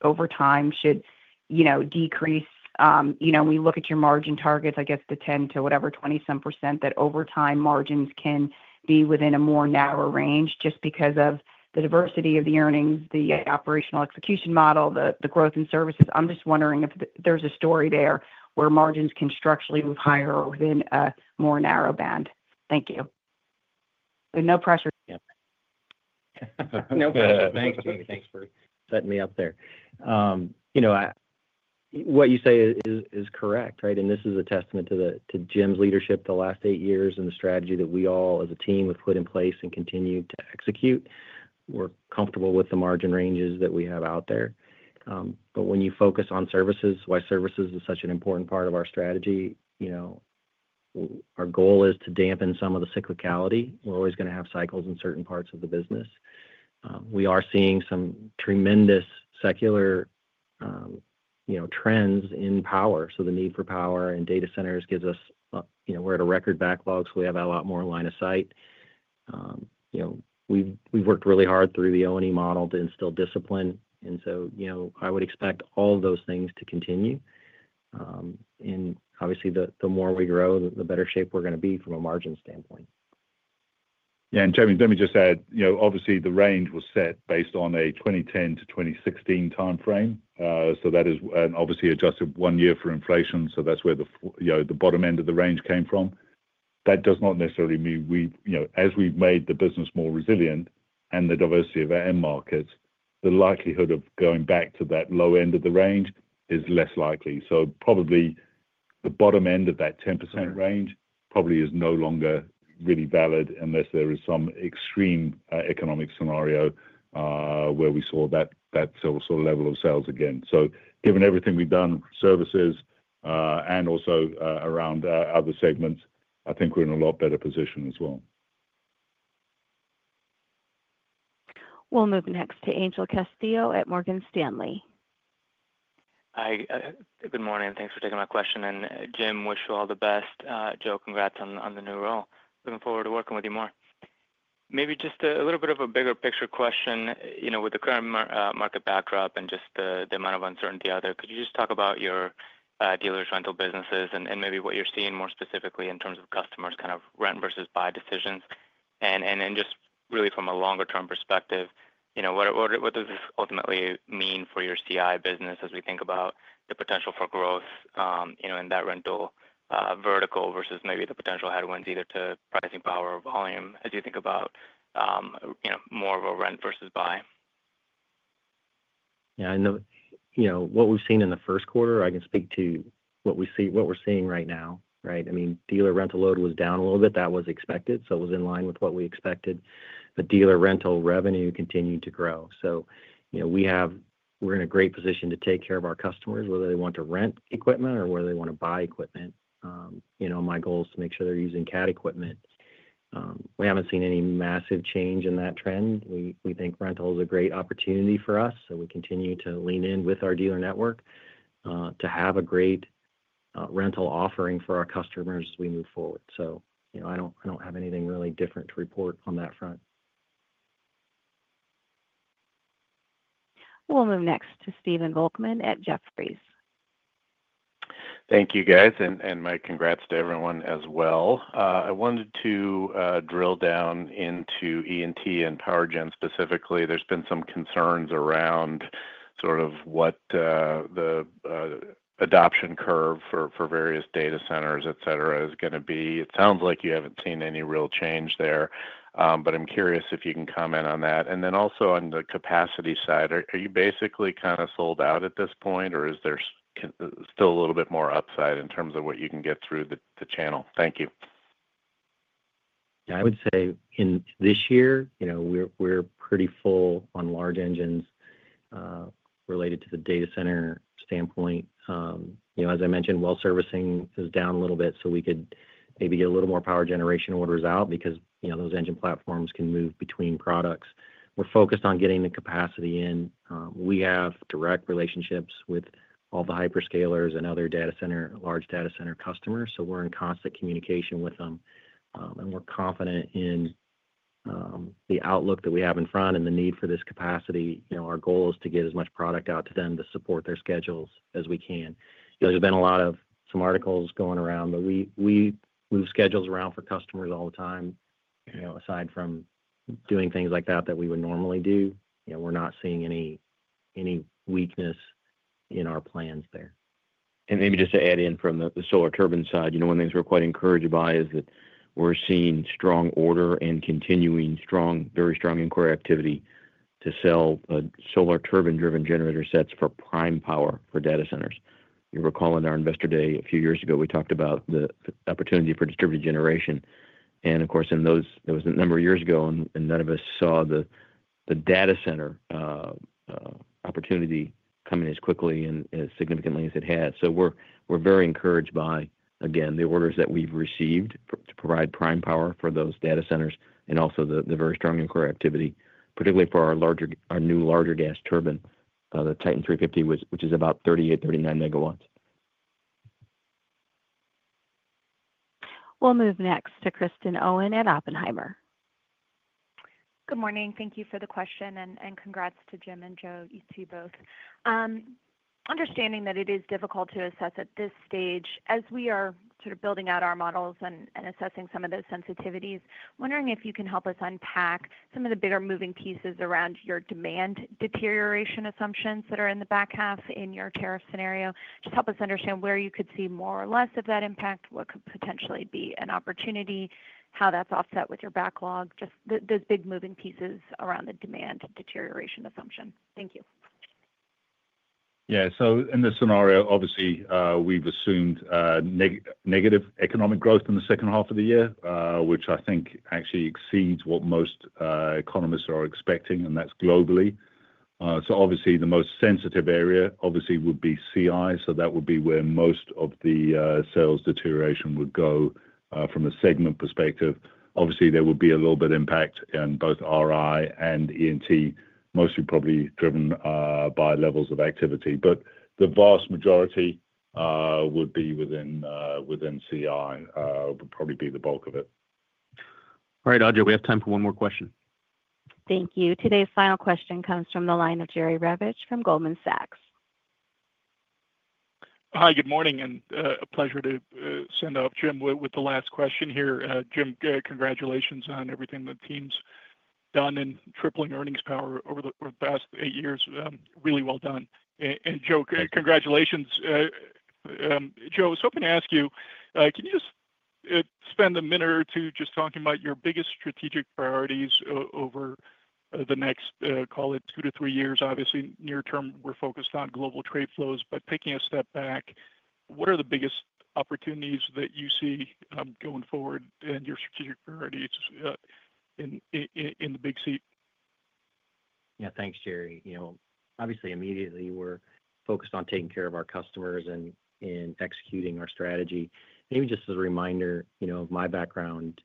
Speaker 11: over time should decrease? We look at your margin targets, I guess, to some 10%-20%, that over time, margins can be within a more narrow range just because of the diversity of the earnings, the operational execution model, the growth in services. I'm just wondering if there's a story there where margins can structurally move higher within a more narrow band. Thank you. No pressure.
Speaker 4: Yep. No pressure. Thanks for setting me up there. What you say is correct, right? This is a testament to Jim's leadership the last eight years and the strategy that we all, as a team, have put in place and continue to execute. We're comfortable with the margin ranges that we have out there. When you focus on services, why services is such an important part of our strategy, our goal is to dampen some of the cyclicality. We're always going to have cycles in certain parts of the business. We are seeing some tremendous secular trends in power. The need for power and data centers gives us—we're at a record backlog, so we have a lot more line of sight. We've worked really hard through the O&E model to instill discipline. I would expect all of those things to continue. Obviously, the more we grow, the better shape we're going to be from a margin standpoint.
Speaker 5: Yeah. Jamie, let me just add, the range was set based on a 2010 to 2016 timeframe. That is obviously adjusted one year for inflation. That's where the bottom end of the range came from. That does not necessarily mean, as we've made the business more resilient and the diversity of our end markets, the likelihood of going back to that low end of the range is less likely. Probably the bottom end of that 10% range is no longer really valid unless there is some extreme economic scenario where we saw that sort of level of sales again. Given everything we've done, services, and also around other segments, I think we're in a lot better position as well.
Speaker 1: We'll move next to Angel Castillo at Morgan Stanley.
Speaker 12: Hi. Good morning. Thanks for taking my question. Jim, wish you all the best. Joe, congrats on the new role. Looking forward to working with you more. Maybe just a little bit of a bigger-picture question. With the current market backdrop and just the amount of uncertainty out there, could you just talk about your dealers' rental businesses and maybe what you're seeing more specifically in terms of customers' kind of rent versus buy decisions? Just really from a longer-term perspective, what does this ultimately mean for your CI business as we think about the potential for growth in that rental vertical versus maybe the potential headwinds either to pricing power or volume as you think about more of a rent versus buy?
Speaker 4: Yeah. What we've seen in the first quarter, I can speak to what we're seeing right now, right? I mean, dealer rental load was down a little bit. That was expected. It was in line with what we expected. Dealer rental revenue continued to grow. We are in a great position to take care of our customers, whether they want to rent equipment or whether they want to buy equipment. My goal is to make sure they're using Cat equipment. We have not seen any massive change in that trend. We think rental is a great opportunity for us. We continue to lean in with our dealer network to have a great rental offering for our customers as we move forward. I do not have anything really different to report on that front.
Speaker 1: We'll move next to Stephen Volkman at Jefferies.
Speaker 13: Thank you, guys. My congrats to everyone as well. I wanted to drill down into E&T and power gen specifically. There have been some concerns around sort of what the adoption curve for various data centers, etc., is going to be. It sounds like you have not seen any real change there. I am curious if you can comment on that. Also, on the capacity side, are you basically kind of sold out at this point, or is there still a little bit more upside in terms of what you can get through the channel? Thank you.
Speaker 4: Yeah. I would say in this year, we are pretty full on large engines related to the data center standpoint. As I mentioned, well servicing is down a little bit, so we could maybe get a little more power generation orders out because those engine platforms can move between products. We are focused on getting the capacity in. We have direct relationships with all the hyperscalers and other large data center customers. We are in constant communication with them. We are confident in the outlook that we have in front and the need for this capacity. Our goal is to get as much product out to them to support their schedules as we can. There have been a lot of some articles going around, but we move schedules around for customers all the time. Aside from doing things like that that we would normally do, we are not seeing any weakness in our plans there.
Speaker 3: Maybe just to add in from the Solar Turbines side, one of the things we are quite encouraged by is that we are seeing strong order and continuing very strong inquiry activity to sell Solar Turbines-driven generator sets for prime power for data centers. You recall on our Investor Day a few years ago, we talked about the opportunity for distributed generation. Of course, that was a number of years ago, and none of us saw the data center opportunity coming as quickly and as significantly as it had. We are very encouraged by, again, the orders that we have received to provide prime power for those data centers and also the very strong inquiry activity, particularly for our new larger gas turbine, the Titan 350, which is about 38 to 39 MW.
Speaker 1: We will move next to Kristen Owen at Oppenheimer.
Speaker 14: Good morning. Thank you for the question. And congrats to Jim and Joe, you two both. Understanding that it is difficult to assess at this stage, as we are sort of building out our models and assessing some of those sensitivities, wondering if you can help us unpack some of the bigger moving pieces around your demand deterioration assumptions that are in the back half in your tariff scenario. Just help us understand where you could see more or less of that impact, what could potentially be an opportunity, how that's offset with your backlog, just those big moving pieces around the demand deterioration assumption. Thank you.
Speaker 5: Yeah. In this scenario, obviously, we've assumed negative economic growth in the second half of the year, which I think actually exceeds what most economists are expecting, and that's globally. The most sensitive area obviously would be CI. That would be where most of the sales deterioration would go from a segment perspective. Obviously, there would be a little bit of impact in both RI and E&T, mostly probably driven by levels of activity. But the vast majority would be within CI, would probably be the bulk of it.
Speaker 2: All right, [Audra]. We have time for one more question.
Speaker 1: Thank you. Today's final question comes from the line of Jerry Revich from Goldman Sachs.
Speaker 15: Hi. Good morning. And a pleasure to send off Jim with the last question here. Jim, congratulations on everything the team's done in tripling earnings power over the past eight years. Really well done. And Joe, congratulations. Joe, I was hoping to ask you, can you just spend a minute or two just talking about your biggest strategic priorities over the next, call it, two to three years? Obviously, near term, we're focused on global trade flows. Taking a step back, what are the biggest opportunities that you see going forward and your strategic priorities in the big seat?
Speaker 4: Yeah. Thanks, Jerry. Obviously, immediately, we're focused on taking care of our customers and executing our strategy. Maybe just as a reminder of my background,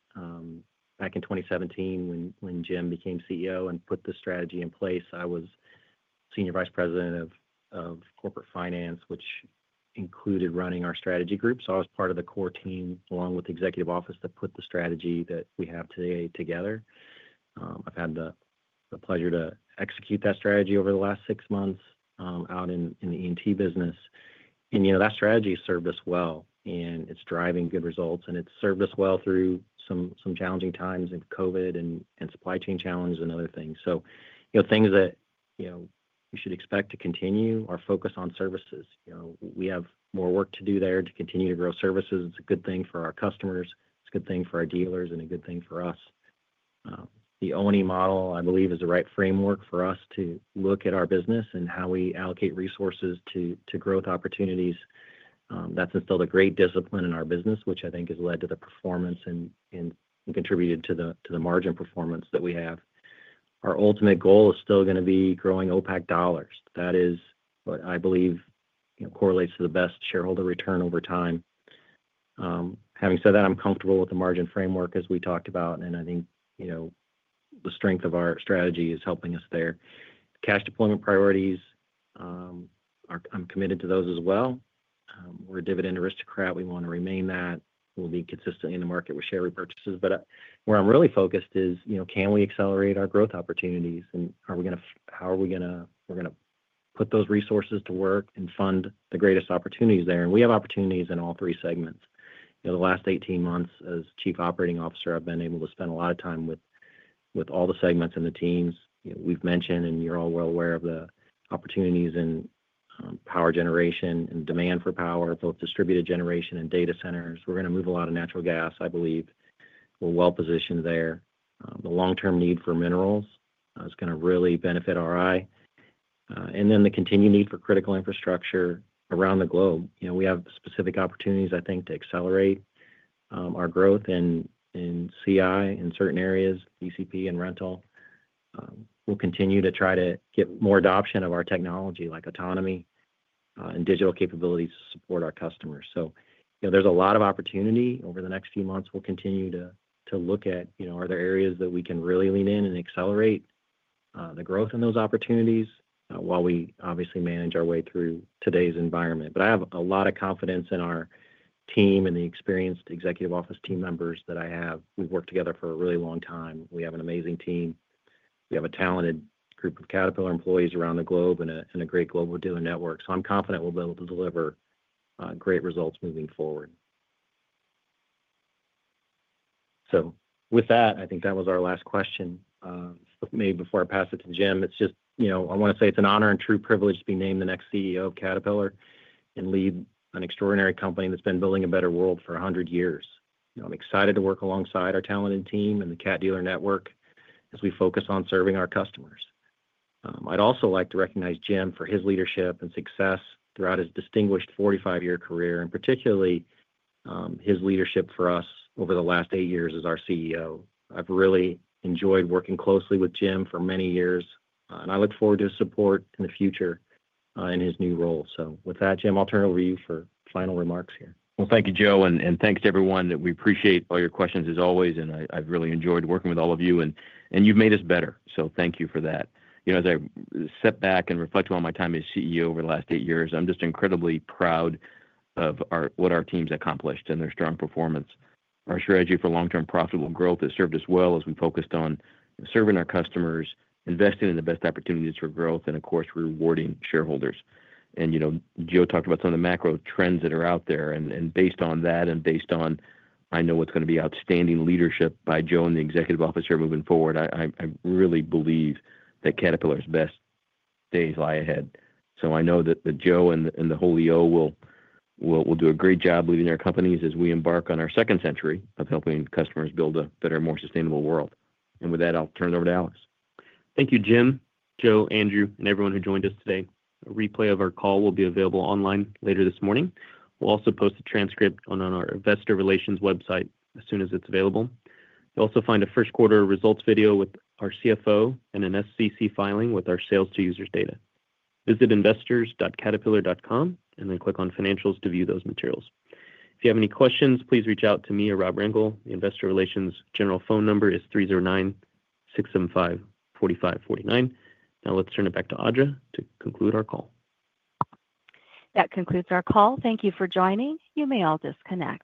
Speaker 4: back in 2017, when Jim became CEO and put the strategy in place, I was Senior Vice President of Corporate Finance, which included running our strategy group. I was part of the core team along with the executive office that put the strategy that we have today together. I've had the pleasure to execute that strategy over the last six months out in the E&T business. That strategy served us well. It's driving good results. It's served us well through some challenging times in COVID and supply chain challenges and other things. Things that we should expect to continue are focus on services. We have more work to do there to continue to grow services. It's a good thing for our customers. It's a good thing for our dealers and a good thing for us. The O&E model, I believe, is the right framework for us to look at our business and how we allocate resources to growth opportunities. That's instilled a great discipline in our business, which I think has led to the performance and contributed to the margin performance that we have. Our ultimate goal is still going to be growing OPEC dollars. That is what I believe correlates to the best shareholder return over time. Having said that, I'm comfortable with the margin framework as we talked about. I think the strength of our strategy is helping us there. Cash deployment priorities, I'm committed to those as well. We're a dividend aristocrat. We want to remain that. We'll be consistently in the market with share repurchases. Where I'm really focused is, can we accelerate our growth opportunities? How are we going to put those resources to work and fund the greatest opportunities there? We have opportunities in all three segments. The last 18 months, as Chief Operating Officer, I've been able to spend a lot of time with all the segments and the teams. We've mentioned, and you're all well aware, of the opportunities in power generation and demand for power, both distributed generation and data centers. We're going to move a lot of natural gas, I believe. We're well positioned there. The long-term need for minerals is going to really benefit RI. The continued need for critical infrastructure around the globe. We have specific opportunities, I think, to accelerate our growth in CI in certain areas, ECP and rental. We'll continue to try to get more adoption of our technology, like autonomy and digital capabilities to support our customers. There is a lot of opportunity. Over the next few months, we'll continue to look at, are there areas that we can really lean in and accelerate the growth in those opportunities while we obviously manage our way through today's environment? I have a lot of confidence in our team and the experienced executive office team members that I have. We've worked together for a really long time. We have an amazing team. We have a talented group of Caterpillar employees around the globe and a great global dealer network. I am confident we'll be able to deliver great results moving forward. With that, I think that was our last question. Maybe before I pass it to Jim, I just want to say it's an honor and true privilege to be named the next CEO of Caterpillar and lead an extraordinary company that's been building a better world for 100 years. I'm excited to work alongside our talented team and the CAT dealer network as we focus on serving our customers. I'd also like to recognize Jim for his leadership and success throughout his distinguished 45-year career, and particularly his leadership for us over the last eight years as our CEO. I've really enjoyed working closely with Jim for many years. I look forward to his support in the future in his new role. With that, Jim, I'll turn it over to you for final remarks here.
Speaker 3: Thank you, Joe. And thanks to everyone. We appreciate all your questions as always. I have really enjoyed working with all of you. You have made us better. Thank you for that. As I step back and reflect on my time as CEO over the last eight years, I am just incredibly proud of what our team's accomplished and their strong performance. Our strategy for long-term profitable growth has served us well as we focused on serving our customers, investing in the best opportunities for growth, and, of course, rewarding shareholders. Joe talked about some of the macro trends that are out there. Based on that and based on, I know, what is going to be outstanding leadership by Joe and the executive officer moving forward, I really believe that Caterpillar's best days lie ahead. I know that Joe and the whole EO will do a great job leading our companies as we embark on our second century of helping customers build a better, more sustainable world. With that, I'll turn it over to Alex.
Speaker 2: Thank you, Jim, Joe, Andrew, and everyone who joined us today. A replay of our call will be available online later this morning. We'll also post a transcript on our investor relations website as soon as it's available. You'll also find a first-quarter results video with our CFO and an SEC filing with our sales-to-users data. Visit investors.caterpillar.com and then click on financials to view those materials. If you have any questions, please reach out to me or Rob Rengel. The investor relations general phone number is 309-675-4549. Now let's turn it back to [Audra] to conclude our call. That concludes our call. Thank you for joining.
Speaker 1: You may all disconnect.